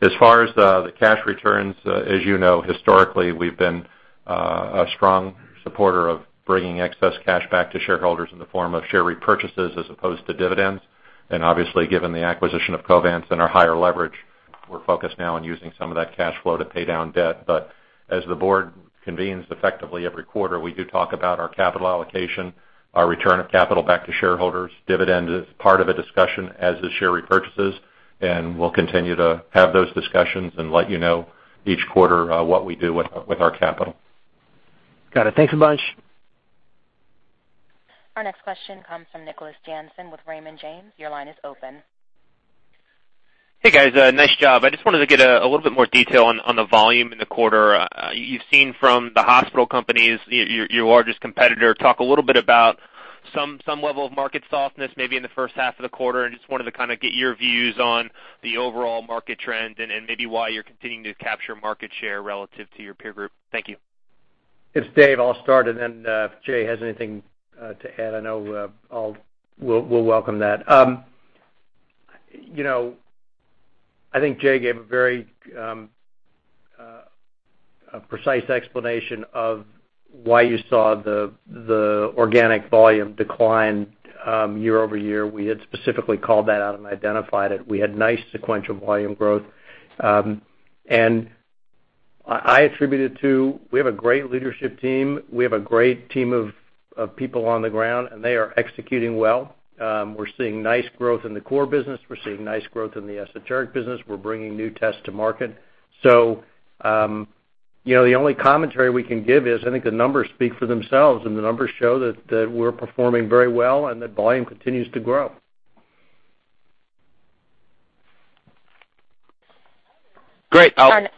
As far as the cash returns, as you know, historically, we've been a strong supporter of bringing excess cash back to shareholders in the form of share repurchases as opposed to dividends. Obviously, given the acquisition of Covance and our higher leverage, we're focused now on using some of that cash flow to pay down debt. As the board convenes effectively every quarter, we do talk about our capital allocation, our return of capital back to shareholders. Dividend is part of a discussion, as are share repurchases, and we'll continue to have those discussions and let you know each quarter what we do with our capital. Got it. Thanks a bunch. Our next question comes from Nicholas Jansen with Raymond James. Your line is open. Hey, guys. Nice job. I just wanted to get a little bit more detail on the volume in the quarter. You've seen from the hospital companies, your largest competitor, talk a little bit about some level of market softness maybe in the first half of the quarter, and just wanted to kind of get your views on the overall market trend and maybe why you're continuing to capture market share relative to your peer group. Thank you. It's Dave. I'll start, and then if Jay has anything to add, I know we'll welcome that. I think Jay gave a very precise explanation of why you saw the organic volume decline year-over-year. We had specifically called that out and identified it. We had nice sequential volume growth. I attributed it to we have a great leadership team. We have a great team of people on the ground, and they are executing well. We're seeing nice growth in the core business. We're seeing nice growth in the esoteric business. We're bringing new tests to market. The only commentary we can give is I think the numbers speak for themselves, and the numbers show that we're performing very well and that volume continues to grow. Great. Our next question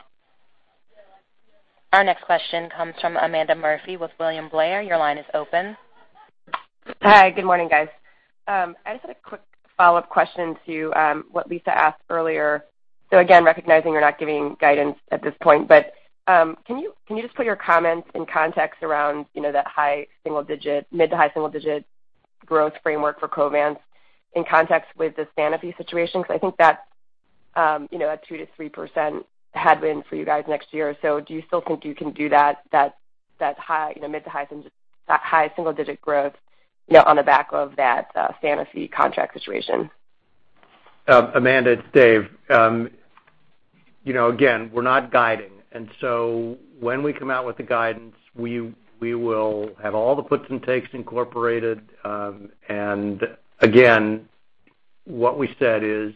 comes from Amanda Murphy with William Blair. Your line is open. Hi. Good morning, guys. I just had a quick follow-up question to what Lisa asked earlier. Again, recognizing you're not giving guidance at this point, can you just put your comments in context around that high single-digit, mid to high single-digit growth framework for Covance in context with the Sanofi situation? I think that's a 2%-3% headwind for you guys next year. Do you still think you can do that, that high, mid to high single-digit growth on the back of that Sanofi contract situation? Amanda, Dave, again, we're not guiding. When we come out with the guidance, we will have all the puts and takes incorporated. What we said is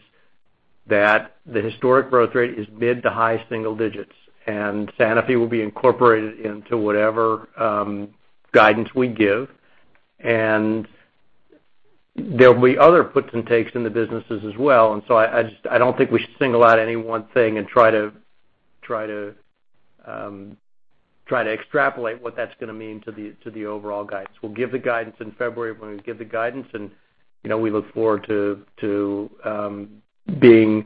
that the historic growth rate is mid to high single digits, and Santa Fe will be incorporated into whatever guidance we give. There will be other puts and takes in the businesses as well. I don't think we should single out any one thing and try to extrapolate what that's going to mean to the overall guidance. We'll give the guidance in February when we give the guidance, and we look forward to being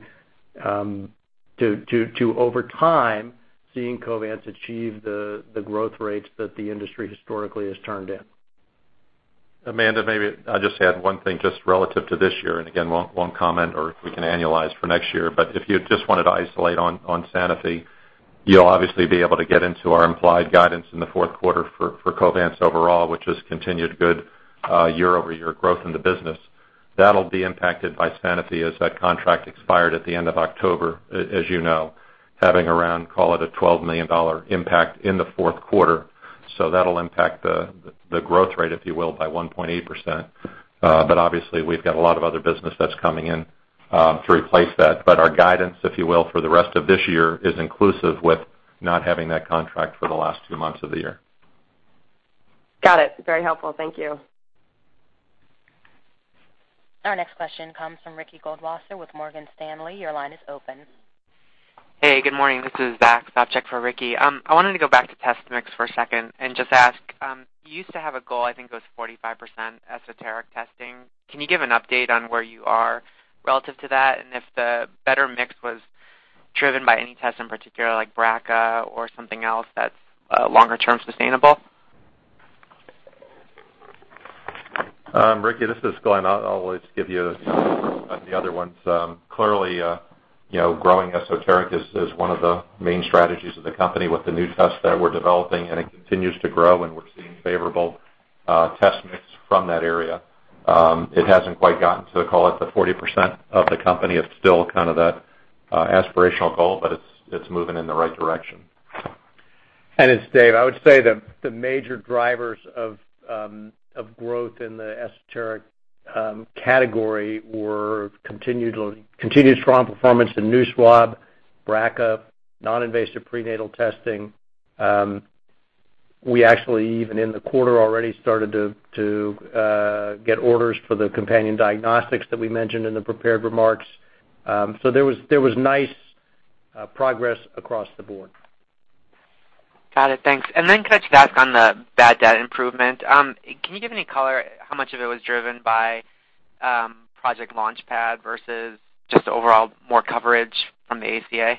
to, over time, seeing Coban achieve the growth rates that the industry historically has turned in. Amanda, maybe I just add one thing just relative to this year, and again, one comment or if we can analyze for next year. If you just wanted to isolate on Santa Fe, you'll obviously be able to get into our implied guidance in the fourth quarter for Covance overall, which is continued good year-over-year growth in the business. That'll be impacted by Santa Fe as that contract expired at the end of October, as you know, having around, call it, a $12 million impact in the fourth quarter. That'll impact the growth rate, if you will, by 1.8%. Obviously, we've got a lot of other business that's coming in to replace that. Our guidance, if you will, for the rest of this year is inclusive with not having that contract for the last two months of the year. Got it. Very helpful. Thank you. Our next question comes from Ricky Goldwasser with Morgan Stanley. Your line is open. Hey. Good morning. This is Zach. Stop check for Ricky. I wanted to go back to test mix for a second and just ask, you used to have a goal, I think it was 45% esoteric testing. Can you give an update on where you are relative to that and if the better mix was driven by any test in particular, like BRCA or something else that's longer-term sustainable? Ricky, this is Glenn. I'll just give you the other ones. Clearly, growing esoteric is one of the main strategies of the company with the new tests that we're developing, and it continues to grow, and we're seeing favorable test mix from that area. It hasn't quite gotten to, call it, the 40% of the company. It's still kind of that aspirational goal, but it's moving in the right direction. It's Dave. I would say the major drivers of growth in the esoteric category were continued strong performance in NuSwab, BRCA, non-invasive prenatal testing. We actually, even in the quarter, already started to get orders for the companion diagnostics that we mentioned in the prepared remarks. There was nice progress across the board. Got it. Thanks. Could I just ask on the bad data improvement? Can you give any color how much of it was driven by Project Launchpad versus just overall more coverage from the ACA?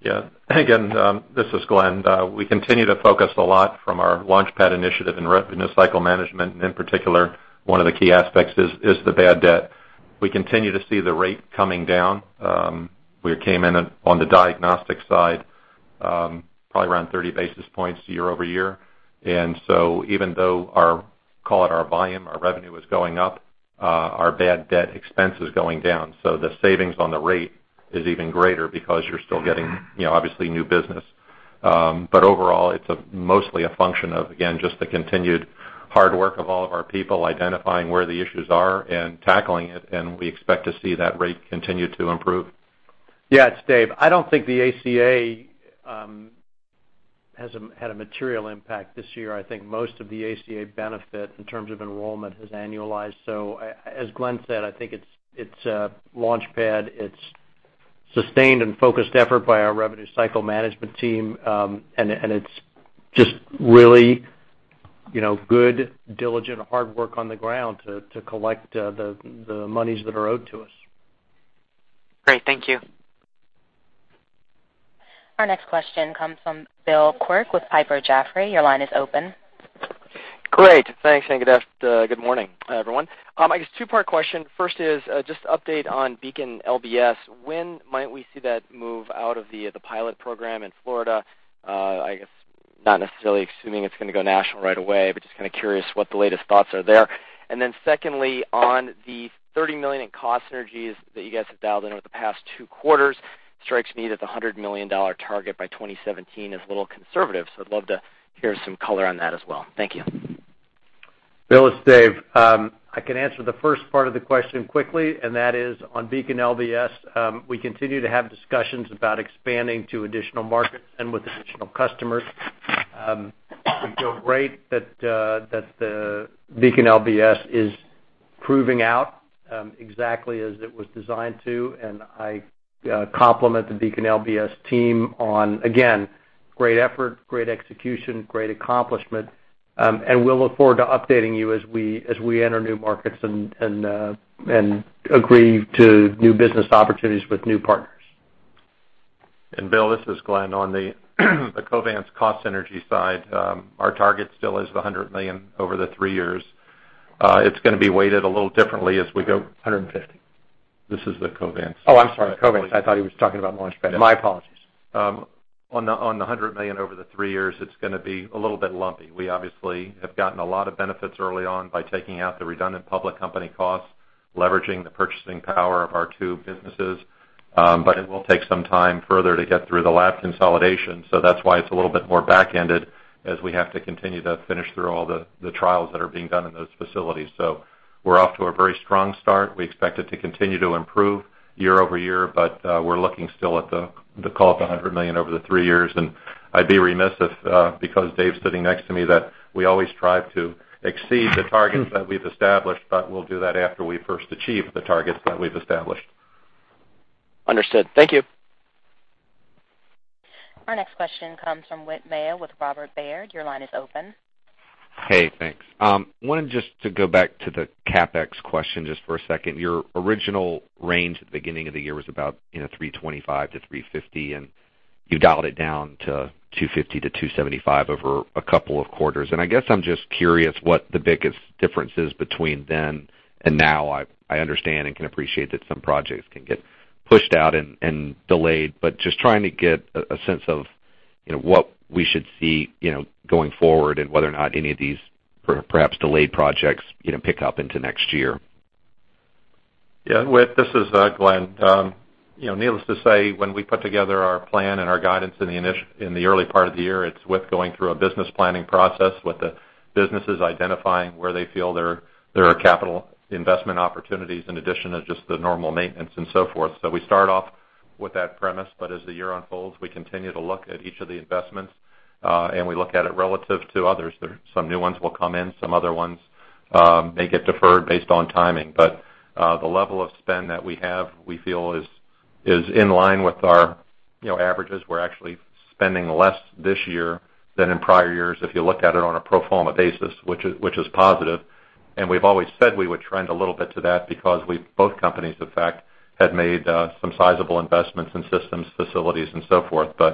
Yeah. Again, this is Glenn. We continue to focus a lot from our Launchpad initiative and revenue cycle management, and in particular, one of the key aspects is the bad debt. We continue to see the rate coming down. We came in on the diagnostic side, probably around 30 basis points year-over-year. Even though our, call it, our volume, our revenue is going up, our bad debt expense is going down. The savings on the rate is even greater because you're still getting, obviously, new business. Overall, it's mostly a function of, again, just the continued hard work of all of our people identifying where the issues are and tackling it, and we expect to see that rate continue to improve. Yeah. It's Dave. I don't think the ACA had a material impact this year. I think most of the ACA benefit in terms of enrollment has annualized. As Glenn said, I think it's Launchpad, it's sustained and focused effort by our revenue cycle management team, and it's just really good, diligent, hard work on the ground to collect the monies that are owed to us. Great. Thank you. Our next question comes from Bill Quirk with Piper Jaffray. Your line is open. Great. Thanks. Good morning, everyone. I guess two-part question. First is just update on Beacon LBS. When might we see that move out of the pilot program in Florida? I guess not necessarily assuming it's going to go national right away, but just kind of curious what the latest thoughts are there. Secondly, on the $30 million in cost synergies that you guys have dialed in over the past two quarters, strikes me that the $100 million target by 2017 is a little conservative. I'd love to hear some color on that as well. Thank you. Bill, it's Dave. I can answer the first part of the question quickly, and that is on Beacon LBS. We continue to have discussions about expanding to additional markets and with additional customers. We feel great that the Beacon LBS is proving out exactly as it was designed to, and I compliment the Beacon LBS team on, again, great effort, great execution, great accomplishment. We will look forward to updating you as we enter new markets and agree to new business opportunities with new partners. Bill, this is Glenn. On the Covance cost synergy side, our target still is the $100 million over the three years. It's going to be weighted a little differently as we go. 150. This is the Covance. Oh, I'm sorry. Covance. I thought he was talking about Launchpad. My apologies. On the $100 million over the three years, it's going to be a little bit lumpy. We obviously have gotten a lot of benefits early on by taking out the redundant public company costs, leveraging the purchasing power of our two businesses. It will take some time further to get through the lab consolidation, so that's why it's a little bit more back-ended as we have to continue to finish through all the trials that are being done in those facilities. We're off to a very strong start. We expect it to continue to improve year-over-year, but we're looking still at the, call it, the $100 million over the three years. I'd be remiss if, because Dave's sitting next to me, that we always strive to exceed the targets that we've established, but we'll do that after we first achieve the targets that we've established. Understood. Thank you. Our next question comes from Whit Mayo with Robert Baird. Your line is open. Hey. Thanks. I wanted just to go back to the CapEx question just for a second. Your original range at the beginning of the year was about $325-$350, and you dialed it down to $250-$275 over a couple of quarters. I guess I'm just curious what the biggest difference is between then and now. I understand and can appreciate that some projects can get pushed out and delayed, but just trying to get a sense of what we should see going forward and whether or not any of these perhaps delayed projects pick up into next year. Yeah. This is Glenn. Needless to say, when we put together our plan and our guidance in the early part of the year, it's with going through a business planning process with the businesses identifying where they feel there are capital investment opportunities in addition to just the normal maintenance and so forth. We start off with that premise, but as the year unfolds, we continue to look at each of the investments, and we look at it relative to others. Some new ones will come in. Some other ones may get deferred based on timing. The level of spend that we have, we feel, is in line with our averages. We're actually spending less this year than in prior years if you look at it on a pro forma basis, which is positive. We have always said we would trend a little bit to that because we have both companies, in fact, had made some sizable investments in systems, facilities, and so forth. We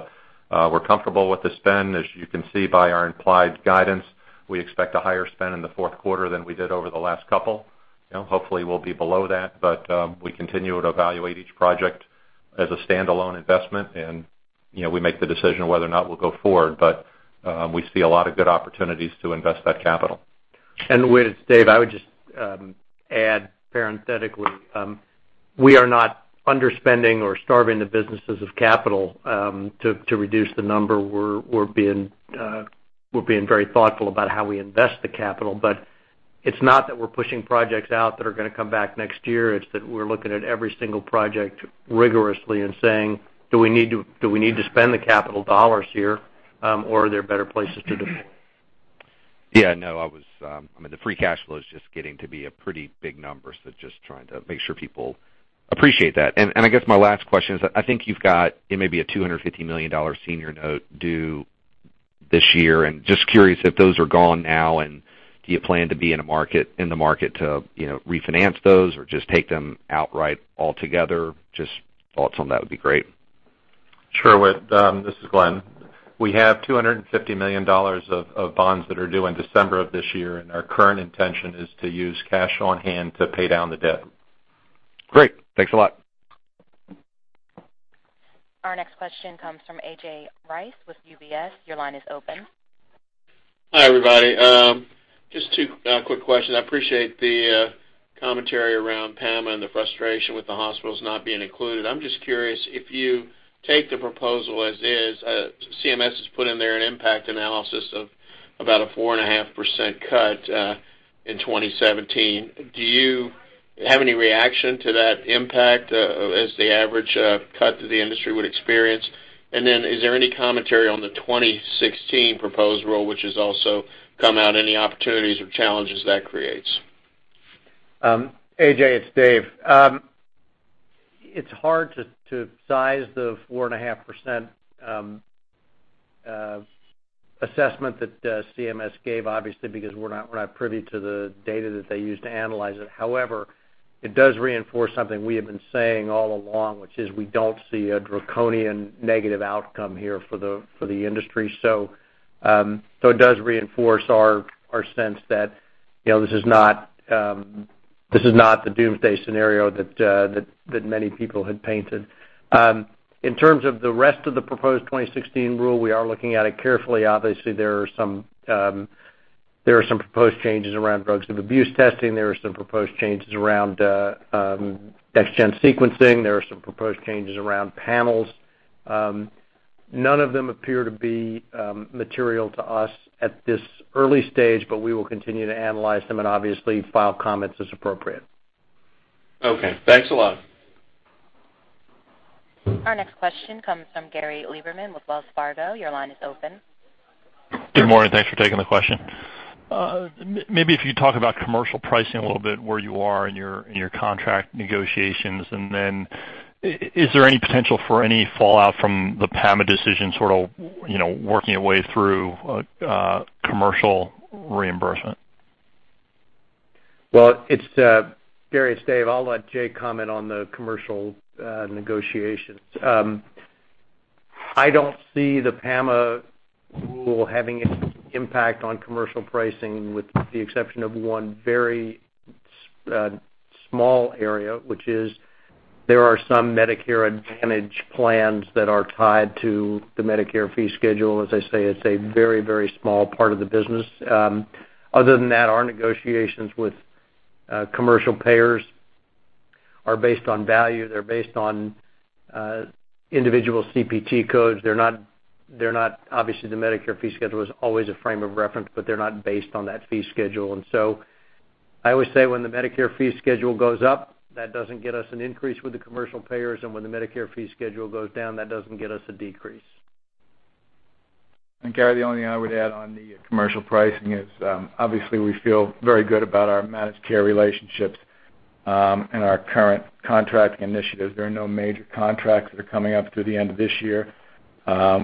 are comfortable with the spend. As you can see by our implied guidance, we expect a higher spend in the fourth quarter than we did over the last couple. Hopefully, we will be below that, but we continue to evaluate each project as a standalone investment, and we make the decision whether or not we will go forward. We see a lot of good opportunities to invest that capital. With Dave, I would just add parenthetically, we are not underspending or starving the businesses of capital to reduce the number. We are being very thoughtful about how we invest the capital. It is not that we are pushing projects out that are going to come back next year. We are looking at every single project rigorously and saying, "Do we need to spend the capital dollars here, or are there better places to deploy? Yeah. No, I mean, the free cash flow is just getting to be a pretty big number, so just trying to make sure people appreciate that. I guess my last question is that I think you've got maybe a $250 million senior note due this year. Just curious if those are gone now, and do you plan to be in the market to refinance those or just take them outright altogether? Just thoughts on that would be great. Sure. This is Glenn. We have $250 million of bonds that are due in December of this year, and our current intention is to use cash on hand to pay down the debt. Great. Thanks a lot. Our next question comes from AJ Rice with UBS. Your line is open. Hi, everybody. Just two quick questions. I appreciate the commentary around PAMA and the frustration with the hospitals not being included. I'm just curious, if you take the proposal as is, CMS has put in there an impact analysis of about a 4.5% cut in 2017. Do you have any reaction to that impact as the average cut that the industry would experience? Is there any commentary on the 2016 proposed rule, which has also come out, any opportunities or challenges that creates? AJ, it's Dave. It's hard to size the 4.5% assessment that CMS gave, obviously, because we're not privy to the data that they use to analyze it. However, it does reinforce something we have been saying all along, which is we don't see a draconian negative outcome here for the industry. It does reinforce our sense that this is not the doomsday scenario that many people had painted. In terms of the rest of the proposed 2016 rule, we are looking at it carefully. Obviously, there are some proposed changes around drugs of abuse testing. There are some proposed changes around next-gen sequencing. There are some proposed changes around panels. None of them appear to be material to us at this early stage, but we will continue to analyze them and obviously file comments as appropriate. Okay. Thanks a lot. Our next question comes from Gary Lieberman with Wells Fargo. Your line is open. Good morning. Thanks for taking the question. Maybe if you talk about commercial pricing a little bit, where you are in your contract negotiations, and then is there any potential for any fallout from the PAMA decision sort of working your way through commercial reimbursement? It's Gary and Dave. I'll let Jay comment on the commercial negotiations. I don't see the PAMA rule having any impact on commercial pricing with the exception of one very small area, which is there are some Medicare Advantage plans that are tied to the Medicare fee schedule. As I say, it's a very, very small part of the business. Other than that, our negotiations with commercial payers are based on value. They're based on individual CPT codes. Obviously the Medicare fee schedule is always a frame of reference, but they're not based on that fee schedule. I always say when the Medicare fee schedule goes up, that doesn't get us an increase with the commercial payers. When the Medicare fee schedule goes down, that doesn't get us a decrease. Gary, the only thing I would add on the commercial pricing is obviously we feel very good about our managed care relationships and our current contract initiatives. There are no major contracts that are coming up through the end of this year.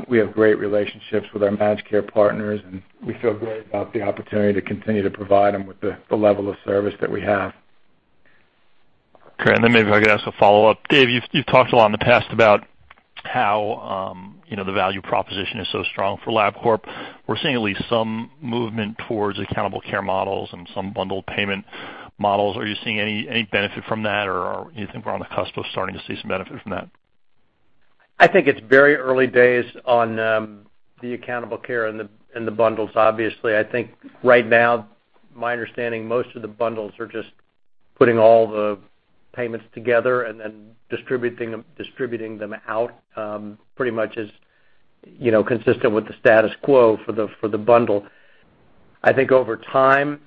We have great relationships with our managed care partners, and we feel great about the opportunity to continue to provide them with the level of service that we have. Okay. And then maybe if I could ask a follow-up. Dave, you've talked a lot in the past about how the value proposition is so strong for Labcorp, we're seeing at least some movement towards accountable care models and some bundled payment models. Are you seeing any benefit from that, or do you think we're on the cusp of starting to see some benefit from that? I think it's very early days on the accountable care and the bundles, obviously. I think right now, my understanding, most of the bundles are just putting all the payments together and then distributing them out pretty much as consistent with the status quo for the bundle. I think over time,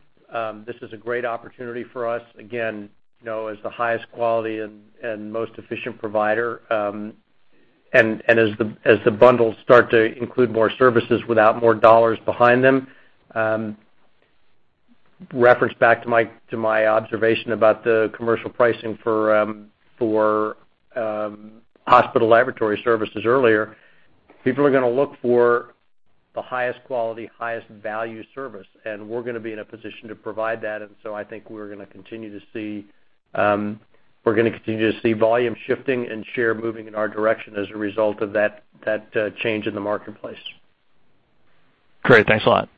this is a great opportunity for us, again, as the highest quality and most efficient provider. As the bundles start to include more services without more dollars behind them, reference back to my observation about the commercial pricing for hospital laboratory services earlier, people are going to look for the highest quality, highest value service. We're going to be in a position to provide that. I think we're going to continue to see volume shifting and share moving in our direction as a result of that change in the marketplace. Great. Thanks a lot.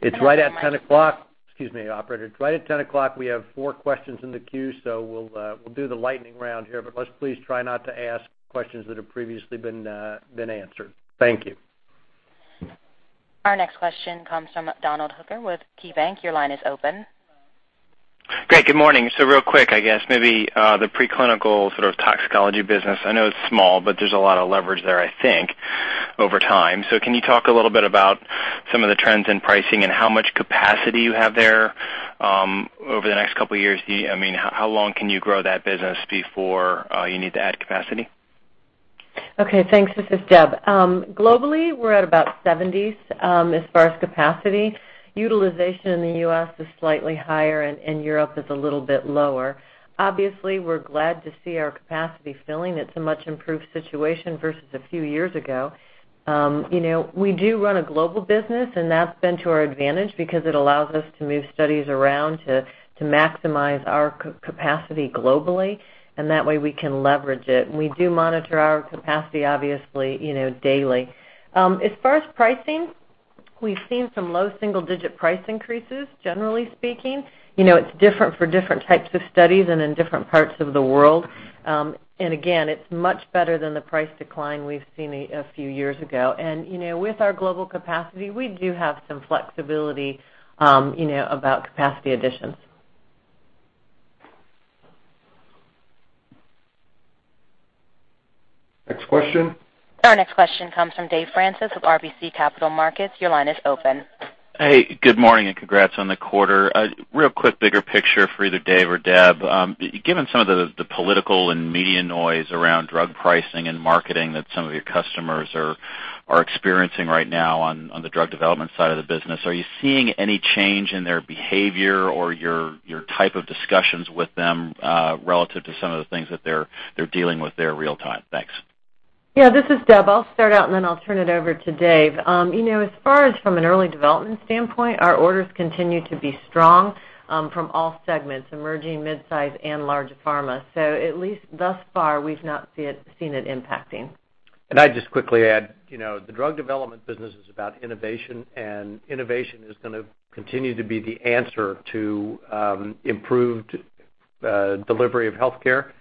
It's right at 10:00. Excuse me, operator. It's right at 10:00. We have four questions in the queue, so we'll do the lightning round here, but let's please try not to ask questions that have previously been answered. Thank you. Our next question comes from Donald Hooker with KeyBanc. Your line is open. Great. Good morning. Real quick, I guess, maybe the preclinical sort of toxicology business. I know it's small, but there's a lot of leverage there, I think, over time. Can you talk a little bit about some of the trends in pricing and how much capacity you have there over the next couple of years? I mean, how long can you grow that business before you need to add capacity? Okay. Thanks. This is Deb. Globally, we're at about 70% as far as capacity. Utilization in the U.S. is slightly higher, and in Europe, it's a little bit lower. Obviously, we're glad to see our capacity filling. It's a much improved situation versus a few years ago. We do run a global business, and that's been to our advantage because it allows us to move studies around to maximize our capacity globally, and that way we can leverage it. We do monitor our capacity, obviously, daily. As far as pricing, we've seen some low single-digit price increases, generally speaking. It's different for different types of studies and in different parts of the world. It's much better than the price decline we've seen a few years ago. With our global capacity, we do have some flexibility about capacity additions. Next question. Our next question comes from Dave Francis with RBC Capital Markets. Your line is open. Hey. Good morning and congrats on the quarter. Real quick, bigger picture for either Dave or Deb. Given some of the political and media noise around drug pricing and marketing that some of your customers are experiencing right now on the drug development side of the business, are you seeing any change in their behavior or your type of discussions with them relative to some of the things that they're dealing with there real-time? Thanks. Yeah. This is Deb. I'll start out, and then I'll turn it over to Dave. As far as from an early development standpoint, our orders continue to be strong from all segments, emerging, mid-size, and large pharma. So at least thus far, we've not seen it impacting. I'd just quickly add, the drug development business is about innovation, and innovation is going to continue to be the answer to improved delivery of healthcare.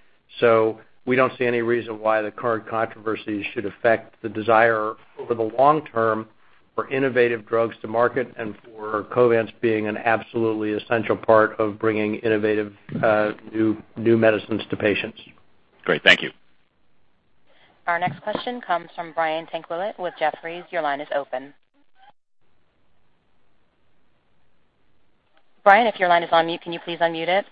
We don't see any reason why the current controversy should affect the desire over the long term for innovative drugs to market and for Covance being an absolutely essential part of bringing innovative new medicines to patients. Great. Thank you. Our next question comes from Brian Tankwillett with Jefferies. Your line is open. Brian, if your line is on mute, can you please unmute it?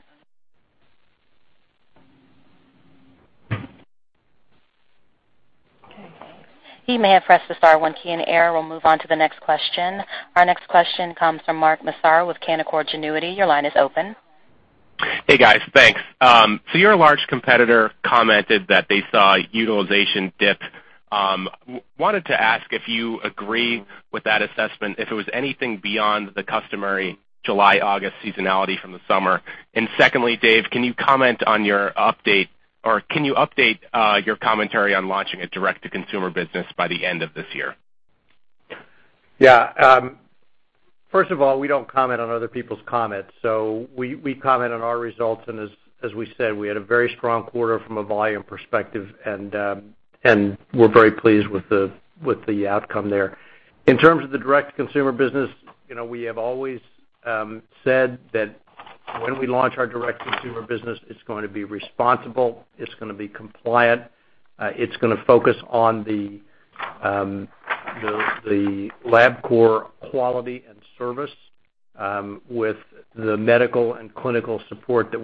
Okay. He may have pressed the star one key in error. We'll move on to the next question. Our next question comes from Mark Massaro with Canaccord Genuity. Your line is open. Hey, guys. Thanks. Your large competitor commented that they saw utilization dip. Wanted to ask if you agree with that assessment, if it was anything beyond the customary July, August seasonality from the summer. Secondly, Dave, can you comment on your update or can you update your commentary on launching a direct-to-consumer business by the end of this year? Yeah. First of all, we do not comment on other people's comments. We comment on our results. As we said, we had a very strong quarter from a volume perspective, and we are very pleased with the outcome there. In terms of the direct-to-consumer business, we have always said that when we launch our direct-to-consumer business, it is going to be responsible. It is going to be compliant. It is going to focus on the Labcorp quality and service with the medical and clinical support that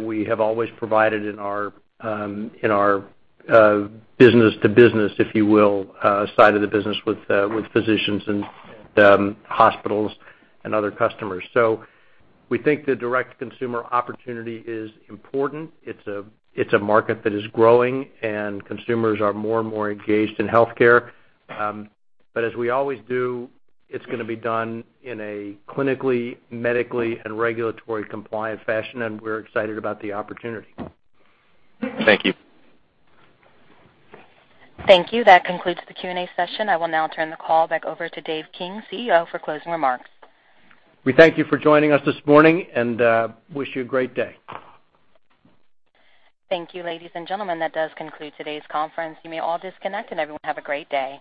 we have always provided in our business-to-business, if you will, side of the business with physicians and hospitals and other customers. We think the direct-to-consumer opportunity is important. It is a market that is growing, and consumers are more and more engaged in healthcare. As we always do, it's going to be done in a clinically, medically, and regulatory compliant fashion, and we're excited about the opportunity. Thank you. Thank you. That concludes the Q&A session. I will now turn the call back over to Dave King, CEO, for closing remarks. We thank you for joining us this morning and wish you a great day. Thank you, ladies and gentlemen. That does conclude today's conference. You may all disconnect, and everyone have a great day.